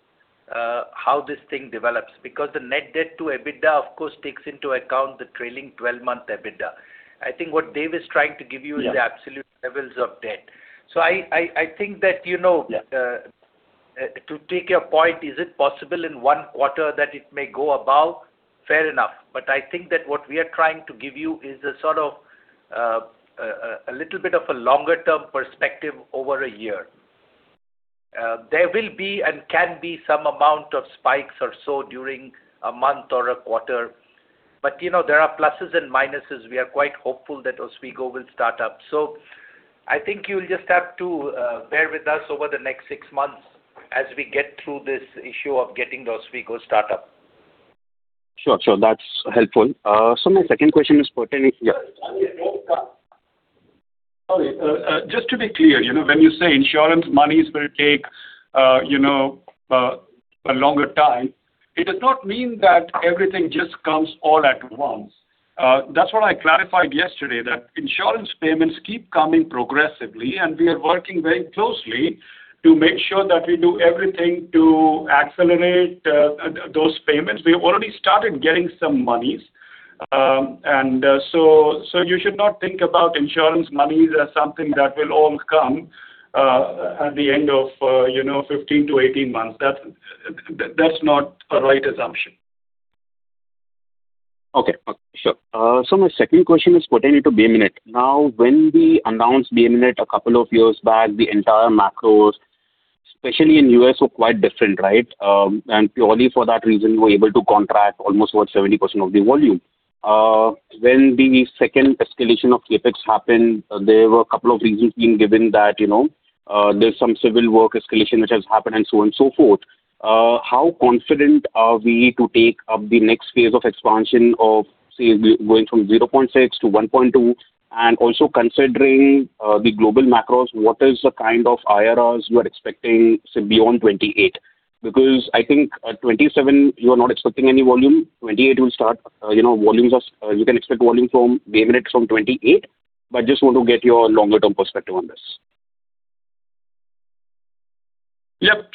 how this thing develops. Because the Net Debt to EBITDA, of course, takes into account the trailing twelve-month EBITDA. I think what Dave is trying to give you- Yeah. is the absolute levels of debt. So I think that, you know, Yeah. To take your point, is it possible in one quarter that it may go above? Fair enough. But I think that what we are trying to give you is a sort of, a little bit of a longer-term perspective over a year. There will be and can be some amount of spikes or so during a month or a quarter, but, you know, there are pluses and minuses. We are quite hopeful that Oswego will start up. So I think you'll just have to bear with us over the next six months as we get through this issue of getting the Oswego start up. Sure, sure. That's helpful. So my second question is pertaining, yeah. Sorry, just to be clear, you know, when you say insurance monies will take, you know, a longer time, it does not mean that everything just comes all at once. That's what I clarified yesterday, that insurance payments keep coming progressively, and we are working very closely to make sure that we do everything to accelerate those payments. We have already started getting some monies. And so you should not think about insurance monies as something that will all come at the end of, you know, 15-18 months. That's not a right assumption. Okay. Sure. So my second question is pertaining to Bay Minette. Now, when we announced Bay Minette a couple of years back, the entire macros, especially in U.S., were quite different, right? And purely for that reason, we were able to contract almost what, 70% of the volume. When the second escalation of CapEx happened, there were a couple of reasons being given that, you know, there's some civil work escalation which has happened and so on, so forth. How confident are we to take up the next phase of expansion of, say, going from 0.6 to 1.2? And also considering the global macros, what is the kind of IRRs you are expecting, say, beyond 28? Because I think at 27, you are not expecting any volume. 2028 will start, you know, volumes are. You can expect volume from Bay Minette from 2028, but just want to get your longer-term perspective on this. Yep.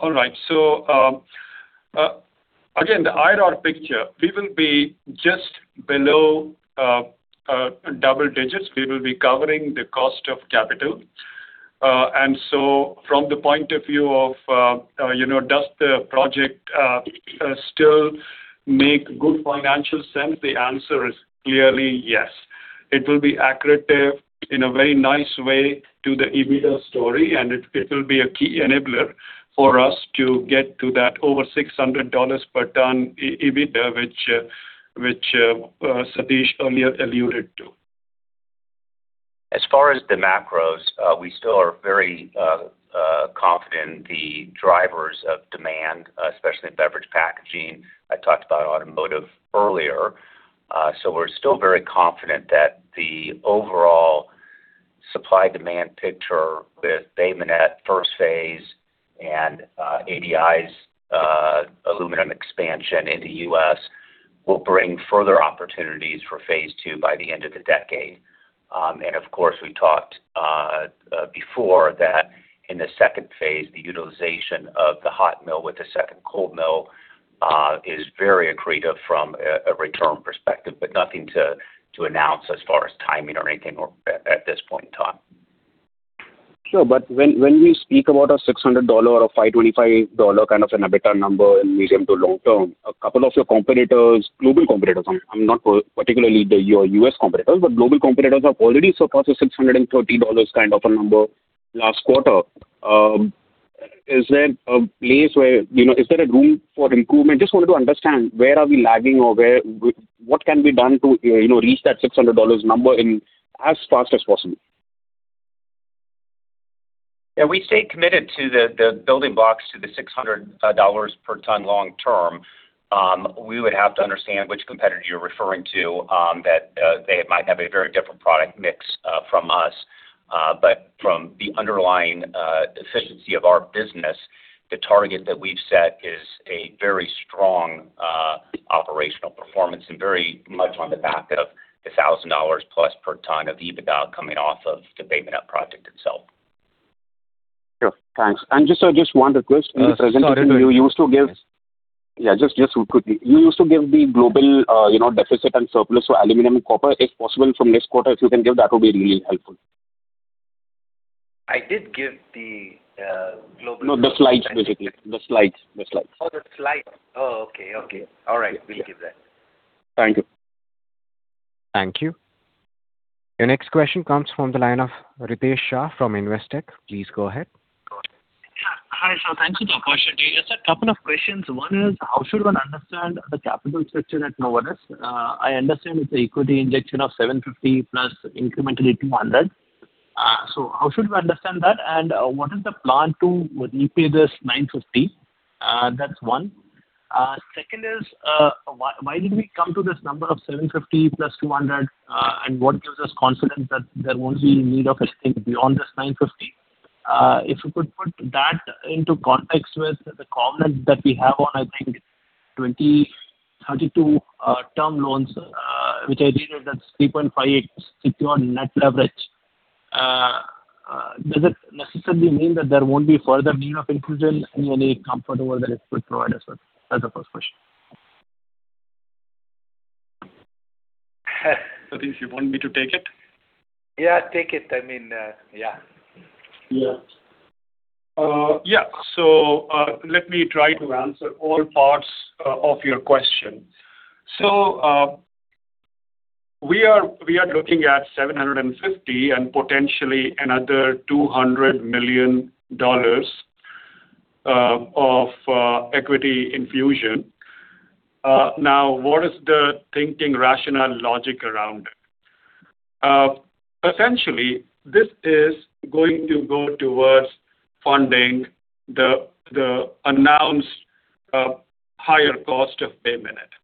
All right, again, the IRR picture, we will be just below double digits. We will be covering the cost of capital. And so from the point of view of, you know, does the project still make good financial sense? The answer is clearly yes. It will be accretive in a very nice way to the EBITDA story, and it will be a key enabler for us to get to that over $600 per ton EBITDA, which Satish earlier alluded to. As far as the macros, we still are very confident the drivers of demand, especially in beverage packaging. I talked about automotive earlier. So we're still very confident that the overall supply-demand picture with Bay Minette first phase and SDI's aluminum expansion in the U.S. will bring further opportunities for phase two by the end of the decade. And of course, we talked before that in the second phase, the utilization of the hot mill with the second cold mill is very accretive from a return perspective, but nothing to announce as far as timing or anything or at this point in time. Sure, but when we speak about a $600 or $525 kind of an EBITDA number in medium to long term, a couple of your competitors, global competitors, I'm not talking particularly your US competitors, but global competitors have already surpassed the $630 kind of a number last quarter. Is there a place where, you know, is there a room for improvement? Just wanted to understand where are we lagging or what can be done to, you know, reach that $600 number in as fast as possible? Yeah, we stay committed to the building blocks, to the $600 per ton long term. We would have to understand which competitor you're referring to, that they might have a very different product mix from us. But from the underlying efficiency of our business, the target that we've set is a very strong operational performance and very much on the back of the $1,000+ per ton of EBITDA coming off of the Bay Minette project itself. Sure. Thanks. And just one request. Uh, sorry- In the presentation you used to give... Yeah, just, just quickly. You used to give the global, you know, deficit and surplus for aluminum and copper. If possible, from next quarter, if you can give, that will be really helpful. I did give the global- No, the slides, basically, the slides. The slides. Oh, the slides. Oh, okay, okay. Yeah. All right. We'll give that. Thank you. Thank you. Your next question comes from the line of Ritesh Shah from Investec. Please go ahead. Go ahead. Hi, sir. Thank you for the opportunity. Just a couple of questions. One is, how should one understand the capital structure at Novelis? I understand it's an equity injection of $750 + $200 incrementally. So how should we understand that? And, what is the plan to repay this $950? That's one. Second is, why, why did we come to this number of $750 + $200, and what gives us confidence that there won't be need of anything beyond this $950? If you could put that into context with the covenant that we have on, I think, 2032 term loans, which I read is at 3.5x on net leverage. Does it necessarily mean that there won't be further need of infusion, and any comfort over that it could provide us with? That's the first question. Satish, you want me to take it? Yeah, take it. I mean, yeah. Yeah. Yeah, so let me try to answer all parts of your question. So, we are looking at $750 million and potentially another $200 million of equity infusion. Now, what is the thinking, rationale, logic around it? Essentially, this is going to go towards funding the announced higher cost of Bay Minette,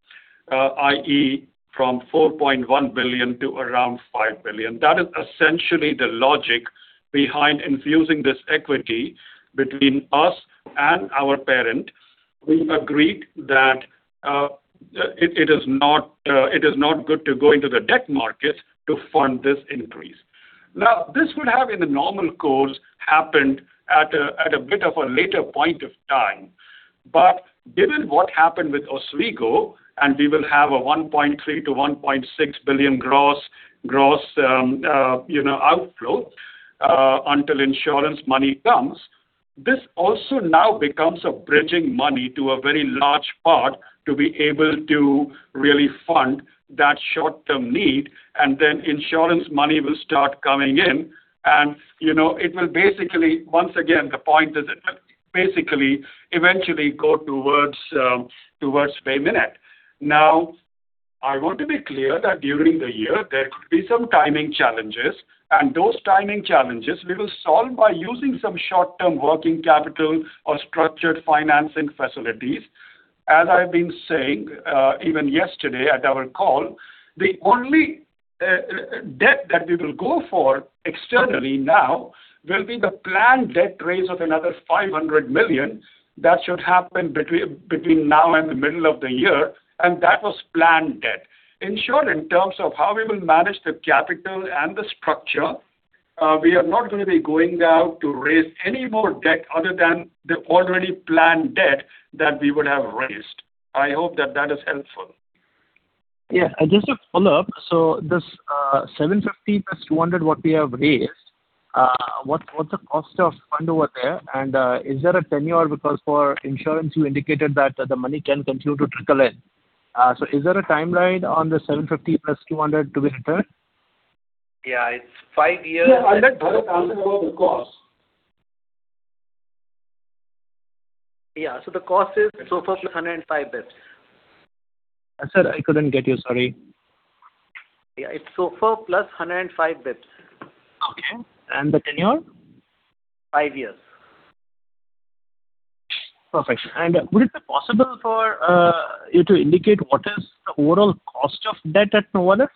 i.e., from $4.1 billion to around $5 billion. That is essentially the logic behind infusing this equity between us and our parent. We agreed that it is not good to go into the debt market to fund this increase. Now, this would have, in the normal course, happened at a bit of a later point of time. But given what happened with Oswego, and we will have a $1.3 billion-$1.6 billion gross outflow, you know, until insurance money comes, this also now becomes a bridging money to a very large part to be able to really fund that short-term need, and then insurance money will start coming in. And, you know, it will basically... Once again, the point is that basically eventually go towards Bay Minette. Now, I want to be clear that during the year, there could be some timing challenges, and those timing challenges we will solve by using some short-term working capital or structured financing facilities. As I've been saying, even yesterday at our call, the only debt that we will go for externally now will be the planned debt raise of another $500 million. That should happen between now and the middle of the year, and that was planned debt. In short, in terms of how we will manage the capital and the structure, we are not going to be going out to raise any more debt other than the already planned debt that we would have raised. I hope that that is helpful. Yeah, and just a follow-up. So this, $750 + $200, what we have raised. What, what's the cost of fund over there? And, is there a tenure, because for insurance, you indicated that the money can continue to trickle in. So is there a timeline on the $750 + $200 to be returned? Yeah, it's five years. Yeah, and let Dev answer about the cost. Yeah. So the cost is SOFR +105 basis points. Sir, I couldn't get you. Sorry. Yeah, it's SOFR+105 bps. Okay, and the tenure? Five years. Perfect. And would it be possible for you to indicate what is the overall cost of debt at Novelis,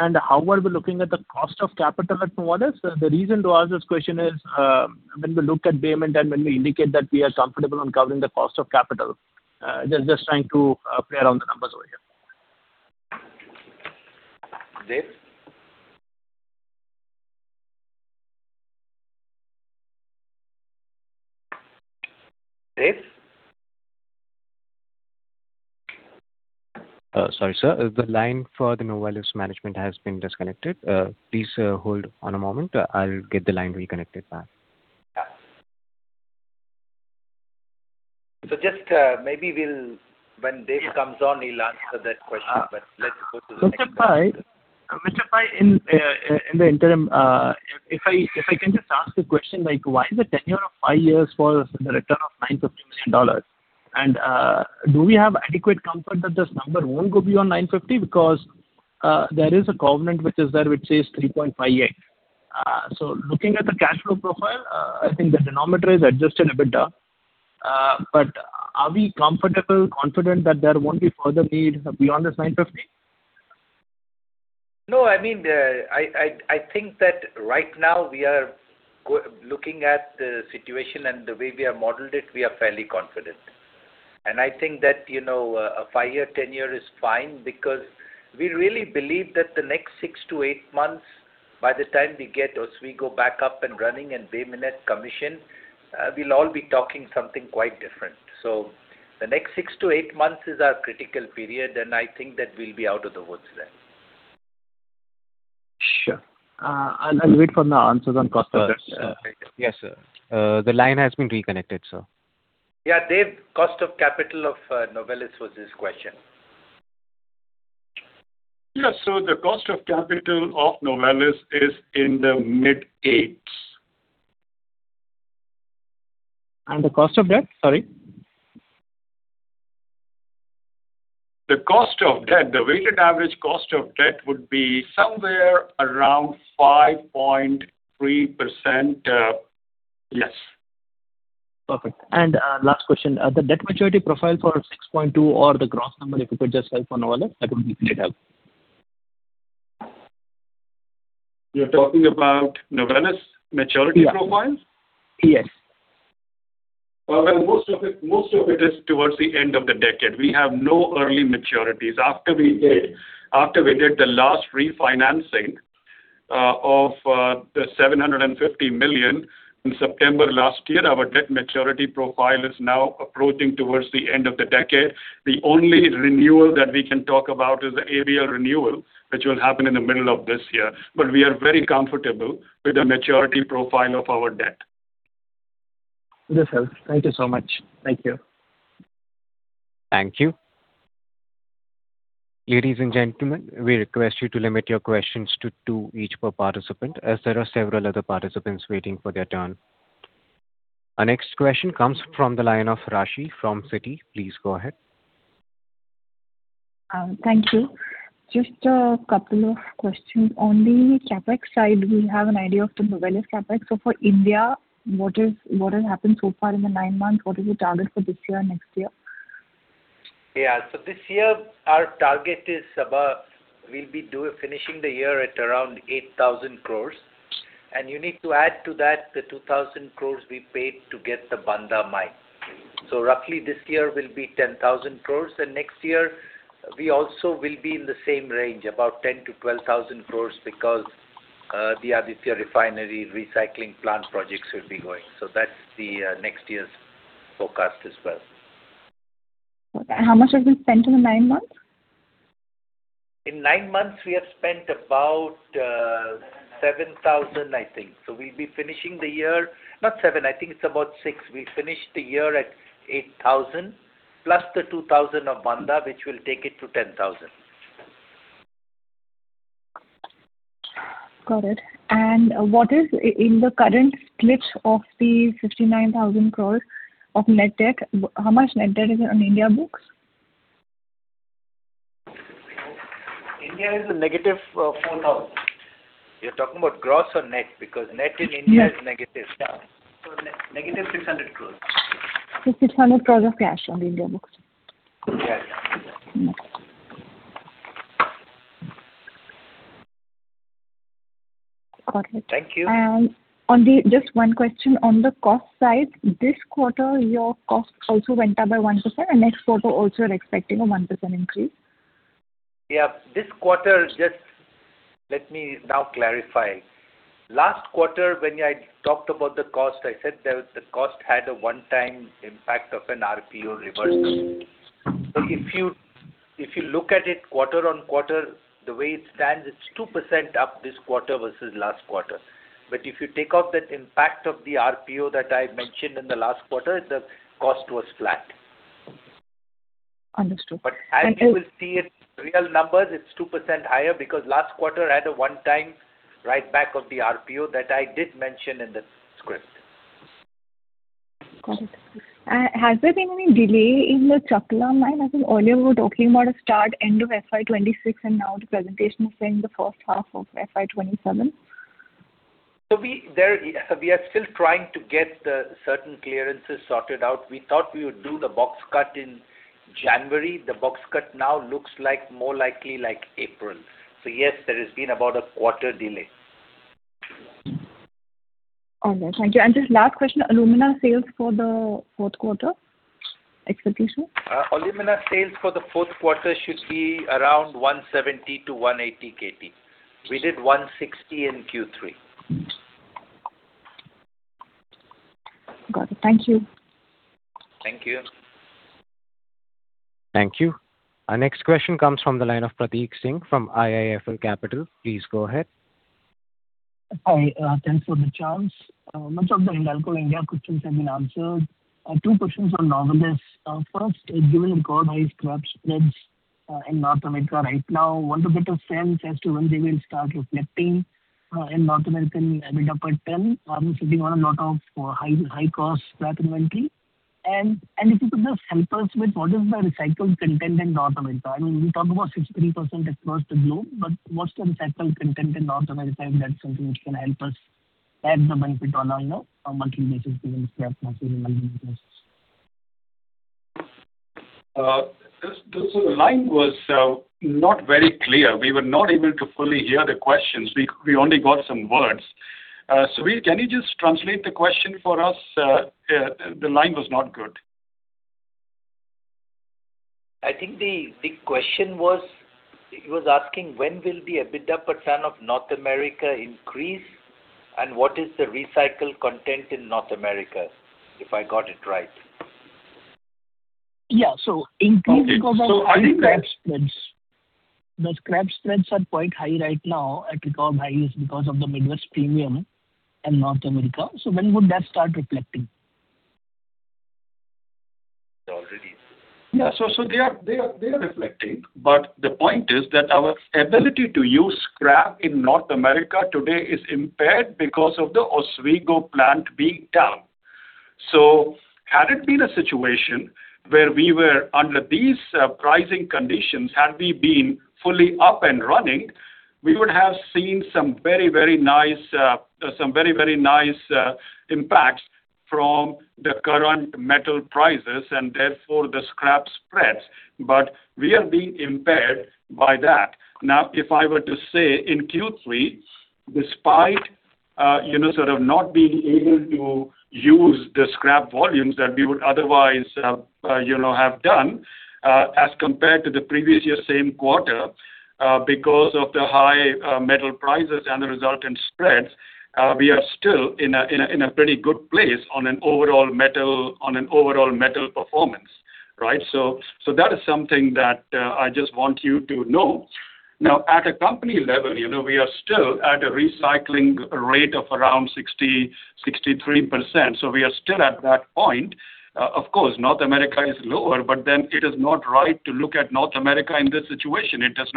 and how are we looking at the cost of capital at Novelis? The reason to ask this question is, when we look at Bay Minette, and when we indicate that we are comfortable on covering the cost of capital, just trying to play around the numbers over here. Dev? Dev? Sorry, sir. The line for the Novelis management has been disconnected. Please, hold on a moment. I'll get the line reconnected back. Yeah. So just, maybe we'll. When Dev comes on, he'll answer that question, but let's go to the next one. Mr. Pai, Mr. Pai, in, in the interim, if I, if I can just ask a question, like, why is the tenure of 5 years for the return of $950 million? And, do we have adequate comfort that this number won't go beyond 950? Because, there is a covenant which is there, which says 3.58. So looking at the cash flow profile, I think the denominator is adjusted a bit down. But are we comfortable, confident, that there won't be further need beyond this 950? No, I mean, I think that right now we are looking at the situation and the way we have modeled it, we are fairly confident. And I think that, you know, a 5-year tenure is fine because we really believe that the next 6-8 months, by the time we get Oswego back up and running and Bay Minette commission, we'll all be talking something quite different. So the next 6-8 months is our critical period, and I think that we'll be out of the woods then. Sure. I'll wait for the answers on cost of debt. Yes, sir. The line has been reconnected, sir. Yeah, Dev, cost of capital of Novelis was his question. Yes. So the cost of capital of Novelis is in the mid-eights. The cost of debt? Sorry. The cost of debt, the weighted average cost of debt would be somewhere around 5.3%, less. Perfect. Last question. The debt maturity profile for $6.2 or the gross number, if you could just help on Novelis, that would be a great help. You're talking about Novelis maturity profile? Yes. Well, most of it, most of it is towards the end of the decade. We have no early maturities. After we did, after we did the last refinancing of the $750 million in September last year, our debt maturity profile is now approaching towards the end of the decade. The only renewal that we can talk about is the ABL renewal, which will happen in the middle of this year. But we are very comfortable with the maturity profile of our debt. Yes, sir. Thank you so much. Thank you. Thank you. Ladies and gentlemen, we request you to limit your questions to two each per participant, as there are several other participants waiting for their turn. Our next question comes from the line of Rashi from Citi. Please go ahead. Thank you. Just a couple of questions. On the CapEx side, we have an idea of the Novelis CapEx. So for India, what has happened so far in the nine months? What is the target for this year, next year? Yeah. So this year, our target is about... We'll be finishing the year at around 8,000 crore, and you need to add to that the 2,000 crore we paid to get the Banda mine. So roughly this year will be 10,000 crore, and next year we also will be in the same range, about 10,000-12,000 crore, because the Aditya Refinery recycling plant projects will be going. So that's the next year's forecast as well. How much have you spent in the nine months? In nine months, we have spent about $7,000, I think. So we'll be finishing the year. Not $7,000, I think it's about $6,000. We finish the year at $8,000, plus the $2,000 of Banda, which will take it to $10,000. Got it. What is in the current mix of the 59,000 crore of net debt, how much net debt is on India books? India is a negative for now. You're talking about gross or net? Because net in India is negative now. So -600 crore. INR 600 crore of cash on India books? Yeah, yeah. Got it. Thank you. Just one question on the cost side. This quarter, your cost also went up by 1%, and next quarter also you're expecting a 1% increase? Yeah. This quarter, just let me now clarify. Last quarter, when I talked about the cost, I said the, the cost had a one-time impact of an RPO reversal. So if you-... If you look at it quarter-on-quarter, the way it stands, it's 2% up this quarter versus last quarter. But if you take out that impact of the RPO that I mentioned in the last quarter, the cost was flat. Understood. Thank you. But as you will see, it's real numbers, it's 2% higher, because last quarter had a one-time write back of the RPO that I did mention in the script. Got it. Has there been any delay in the Chakla mine? I think earlier we were talking about a start end of FY 2026, and now the presentation is saying the first half of FY 2027. So we are still trying to get the certain clearances sorted out. We thought we would do the box cut in January. The box cut now looks like more likely like April. So yes, there has been about a quarter delay. All right. Thank you. Just last question, alumina sales for the fourth quarter expectation? Alumina sales for the fourth quarter should be around 170-180 KT. We did 160 in Q3. Got it. Thank you. Thank you. Thank you. Our next question comes from the line of Prateek Singh from IIFL Capital. Please go ahead. Hi, thanks for the chance. Much of the Hindalco India questions have been answered. Two questions on Novelis. First, given record high scrap spreads in North America right now, what a better sense as to when they will start reflecting in North American EBITDA per ton, sitting on a lot of high-cost scrap inventory? And if you could just help us with what is the recycled content in North America. I mean, we talked about 63% across the globe, but what's the recycled content in North America? If that's something which can help us add the benefit on a, you know, a monthly basis in the scrap metal. So the line was not very clear. We were not able to fully hear the questions. We only got some words. Subir, can you just translate the question for us? The line was not good. I think the question was, he was asking when will the EBITDA per ton of North America increase, and what is the recycled content in North America, if I got it right? Yeah. So increase because of- I think that- Scrap spreads. The scrap spreads are quite high right now, at record highs because of the Midwest Premium in North America. So when would that start reflecting? Already. Yeah. So they are reflecting, but the point is that our ability to use scrap in North America today is impaired because of the Oswego plant being down. So had it been a situation where we were under these pricing conditions, had we been fully up and running, we would have seen some very, very nice, some very, very nice impacts from the current metal prices and therefore the scrap spreads. But we are being impaired by that. Now, if I were to say in Q3, despite you know, sort of not being able to use the scrap volumes that we would otherwise you know, have done, as compared to the previous year's same quarter, because of the high metal prices and the resultant spreads, we are still in a pretty good place on an overall metal performance, right? So, that is something that I just want you to know. Now, at a company level, you know, we are still at a recycling rate of around 63%, so we are still at that point. Of course, North America is lower, but then it is not right to look at North America in this situation. It does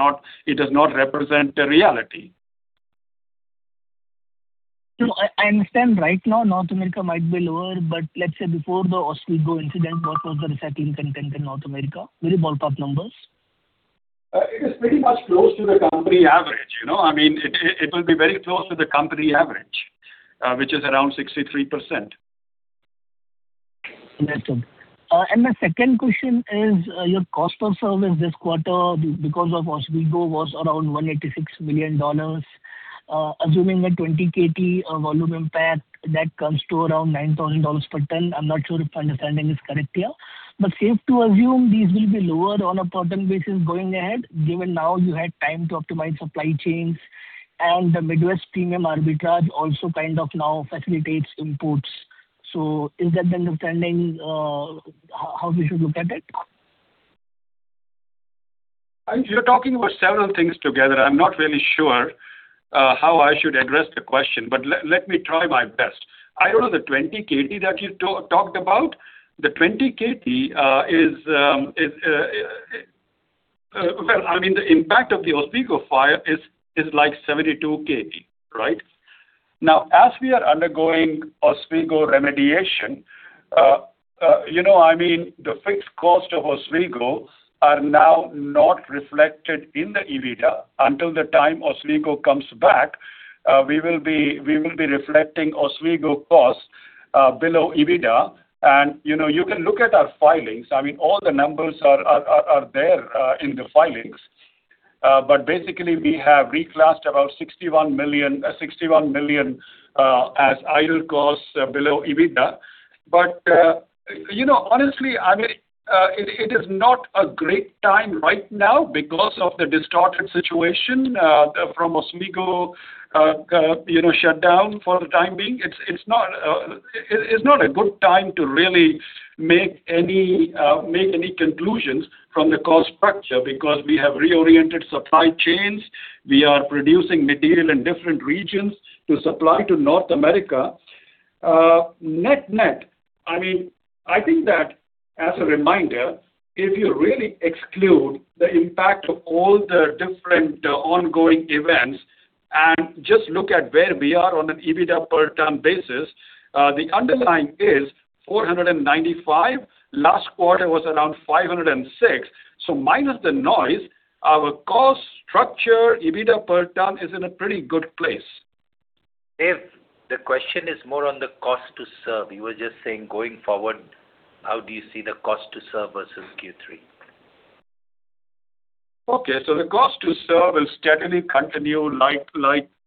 not represent the reality. So I understand right now North America might be lower, but let's say before the Oswego incident, what was the recycling content in North America? Maybe ballpark numbers. It is pretty much close to the company average, you know. I mean, it will be very close to the company average, which is around 63%. Understood. And my second question is, your cost of service this quarter, because of Oswego, was around $186 billion. Assuming a 20 KT volume impact, that comes to around $9,000 per ton. I'm not sure if my understanding is correct here. But safe to assume these will be lower on a per ton basis going ahead, given now you had time to optimize supply chains and the Midwest Premium arbitrage also kind of now facilitates imports. So is that the understanding, how we should look at it? You're talking about several things together. I'm not really sure how I should address the question, but let me try my best. I don't know the 20 KT that you talked about. The 20 KT is... Well, I mean, the impact of the Oswego fire is like 72 KT, right? Now, as we are undergoing Oswego remediation, you know, I mean, the fixed cost of Oswego are now not reflected in the EBITDA. Until the time Oswego comes back, we will be reflecting Oswego costs below EBITDA. And, you know, you can look at our filings. I mean, all the numbers are there in the filings. But basically we have reclassed about $61 million as idle costs below EBITDA. But, you know, honestly, I mean, it is not a great time right now because of the distorted situation from Oswego, you know, shutdown for the time being. It's not a good time to really make any conclusions from the cost structure because we have reoriented supply chains. We are producing material in different regions to supply to North America. I mean, I think that as a reminder, if you really exclude the impact of all the different ongoing events and just look at where we are on an EBITDA per ton basis, the underlying is $495. Last quarter was around $506. So minus the noise, our cost structure, EBITDA per ton, is in a pretty good place. If the question is more on the cost to serve, you were just saying, going forward, how do you see the cost to serve versus Q3? Okay, so the cost to serve will steadily continue like,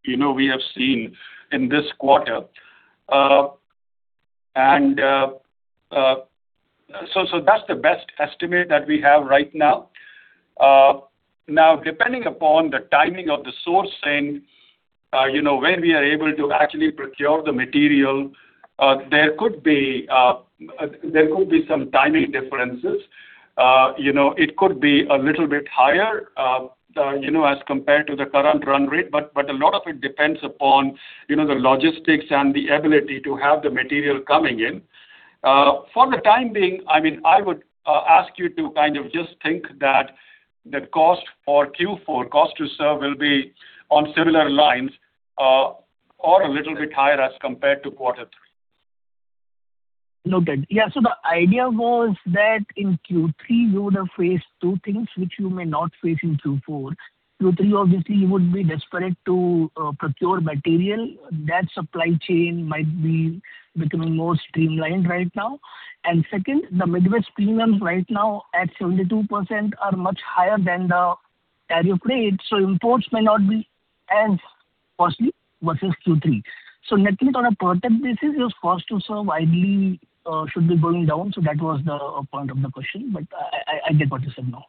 you know, we have seen in this quarter. And, so that's the best estimate that we have right now. Now, depending upon the timing of the sourcing, you know, when we are able to actually procure the material, there could be some timing differences. You know, it could be a little bit higher, you know, as compared to the current run rate. But a lot of it depends upon, you know, the logistics and the ability to have the material coming in. For the time being, I mean, I would ask you to kind of just think that the cost for Q4, cost to serve will be on similar lines, or a little bit higher as compared to quarter three. Noted. Yeah, so the idea was that in Q3, you would have faced two things which you may not face in Q4. Q3, obviously, you would be desperate to procure material. That supply chain might be becoming more streamlined right now. And second, the Midwest Premiums right now at 72% are much higher than the area you played, so imports may not be as costly versus Q3. So net, net on a per ton basis, your cost to serve ideally should be going down. So that was the point of the question, but I get what you said now.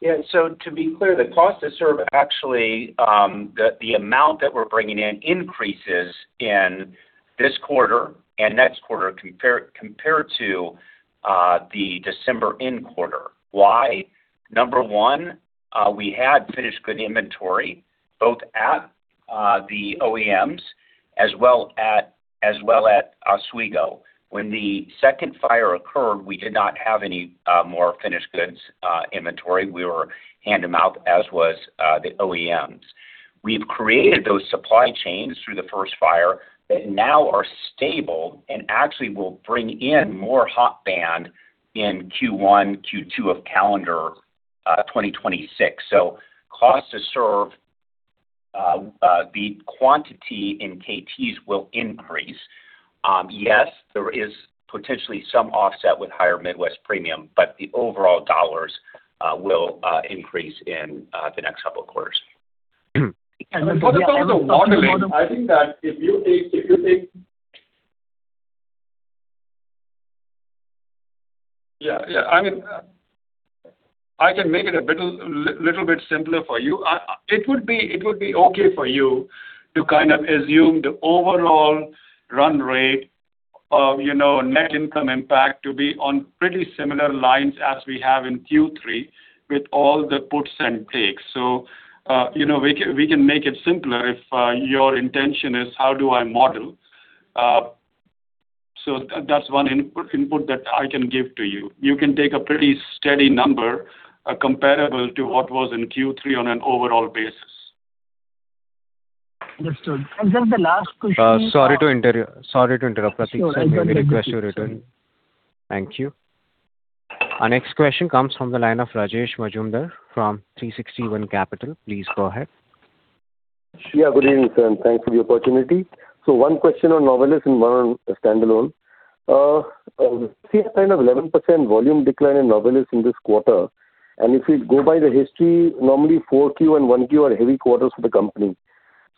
Yeah. So to be clear, the cost to serve actually, the amount that we're bringing in increases in this quarter and next quarter compared to the December end quarter. Why? Number one, we had finished good inventory both at the OEMs as well as at Oswego. When the second fire occurred, we did not have any more finished goods inventory. We were hand-to-mouth, as was the OEMs. We've created those supply chains through the first fire that now are stable and actually will bring in more hot band in Q1, Q2 of calendar 2026. So cost to serve, the quantity in KTs will increase. Yes, there is potentially some offset with higher Midwest Premium, but the overall dollars will increase in the next couple of quarters. And then the follow-up- I think that if you take, if you take... Yeah, yeah. I mean, I can make it a little bit simpler for you. It would be okay for you to kind of assume the overall run rate of, you know, net income impact to be on pretty similar lines as we have in Q3 with all the puts and takes. So, you know, we can make it simpler if your intention is, how do I model? So that's one input that I can give to you. You can take a pretty steady number, comparable to what was in Q3 on an overall basis. Understood. And then the last question- Sorry to interrupt. Sorry to interrupt, Prateek. I really request you return. Thank you. Our next question comes from the line of Rajesh Majumdar from 361 Capital. Please go ahead. Yeah, good evening, sir, and thanks for the opportunity. So one question on Novelis and one on standalone. We see a kind of 11% volume decline in Novelis in this quarter, and if we go by the history, normally 4Q and 1Q are heavy quarters for the company.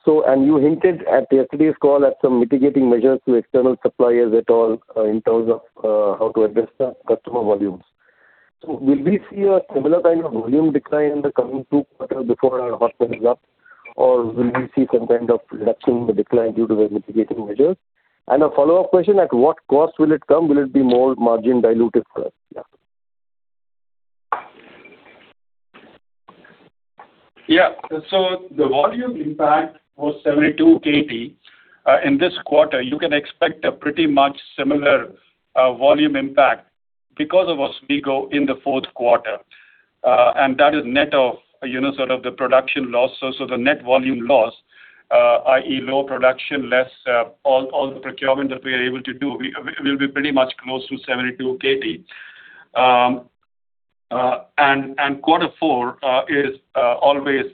So, and you hinted at yesterday's call at some mitigating measures to external suppliers at all, in terms of, how to address the customer volumes. So will we see a similar kind of volume decline in the coming two quarters before our Bay Minette is up, or will we see some kind of reduction in the decline due to the mitigating measures? And a follow-up question, at what cost will it come? Will it be more margin dilutive for us? Yeah. Yeah. So the volume impact was 72 KT. In this quarter, you can expect a pretty much similar volume impact because of Oswego in the fourth quarter. And that is net of, you know, sort of the production losses. So the net volume loss, i.e., low production, less all the procurement that we are able to do, we-- it will be pretty much close to 72 KT. And quarter four is always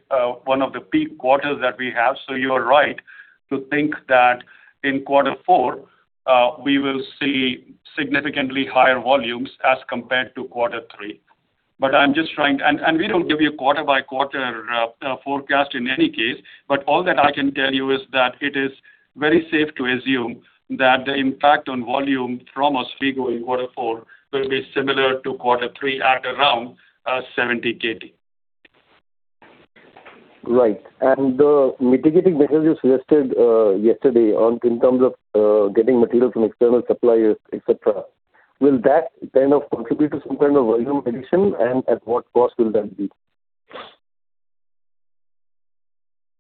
one of the peak quarters that we have. So you are right to think that in quarter four, we will see significantly higher volumes as compared to quarter three. But I'm just trying-- and we don't give you a quarter by quarter forecast in any case. But all that I can tell you is that it is very safe to assume that the impact on volume from Oswego in quarter four will be similar to quarter three at around 70 KT. ...Right. And the mitigating measures you suggested yesterday on, in terms of getting material from external suppliers, et cetera, will that kind of contribute to some kind of volume addition, and at what cost will that be?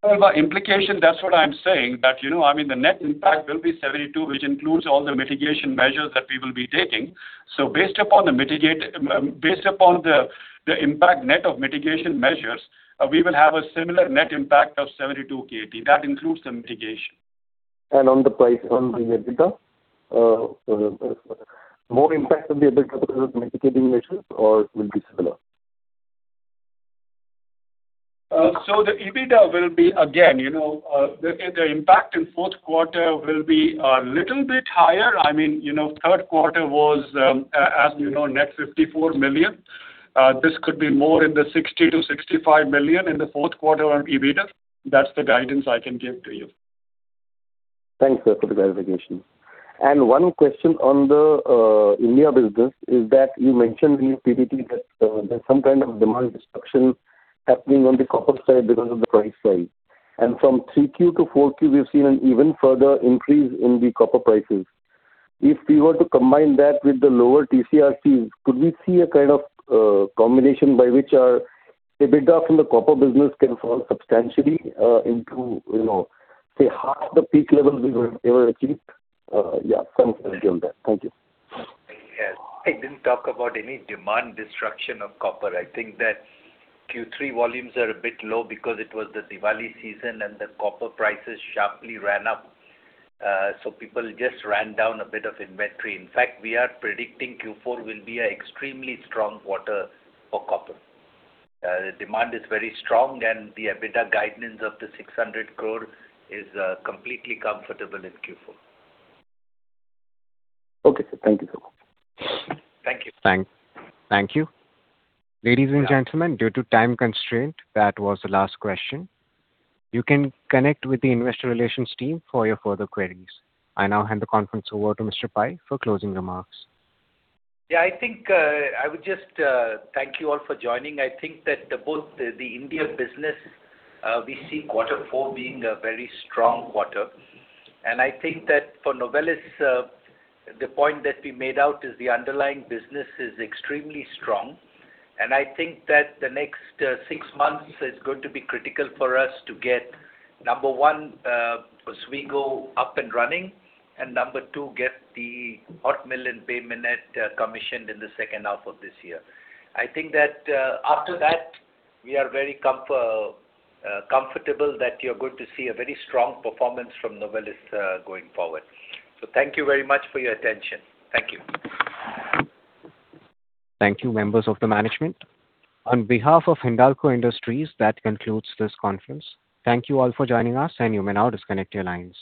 Well, the implication, that's what I'm saying, that, you know, I mean, the net impact will be 72, which includes all the mitigation measures that we will be taking. So based upon the impact net of mitigation measures, we will have a similar net impact of 72 KT. That includes the mitigation. On the price, on the EBITDA, more impact on the EBITDA mitigating measures or it will be similar? So the EBITDA will be, again, you know, the impact in fourth quarter will be a little bit higher. I mean, you know, third quarter was, as you know, net $54 million. This could be more in the $60 million-$65 million in the fourth quarter on EBITDA. That's the guidance I can give to you. Thanks, sir, for the clarification. And one question on the, India business is that you mentioned in your PPT that, there's some kind of demand destruction happening on the copper side because of the price rise. And from 3Q to 4Q, we've seen an even further increase in the copper prices. If we were to combine that with the lower TCRCs, could we see a kind of, combination by which our EBITDA from the copper business can fall substantially, into, you know, say, half the peak level we were ever achieved? Yeah, comment on that. Thank you. Yes. I didn't talk about any demand destruction of copper. I think that Q3 volumes are a bit low because it was the Diwali season, and the copper prices sharply ran up. So people just ran down a bit of inventory. In fact, we are predicting Q4 will be an extremely strong quarter for copper. The demand is very strong, and the EBITDA guidance of 600 crore is completely comfortable in Q4. Okay, sir. Thank you so much. Thank you. Thank you. Ladies and gentlemen, due to time constraint, that was the last question. You can connect with the investor relations team for your further queries. I now hand the conference over to Mr. Pai for closing remarks. Yeah, I think I would just thank you all for joining. I think that both the India business, we see quarter four being a very strong quarter. And I think that for Novelis, the point that we made out is the underlying business is extremely strong. And I think that the next six months is going to be critical for us to get, number one, Oswego up and running, and number two, get the hot mill and Bay Minette commissioned in the second half of this year. I think that after that, we are very comfortable that you're going to see a very strong performance from Novelis going forward. So thank you very much for your attention. Thank you. Thank you, members of the management. On behalf of Hindalco Industries, that concludes this conference. Thank you all for joining us, and you may now disconnect your lines.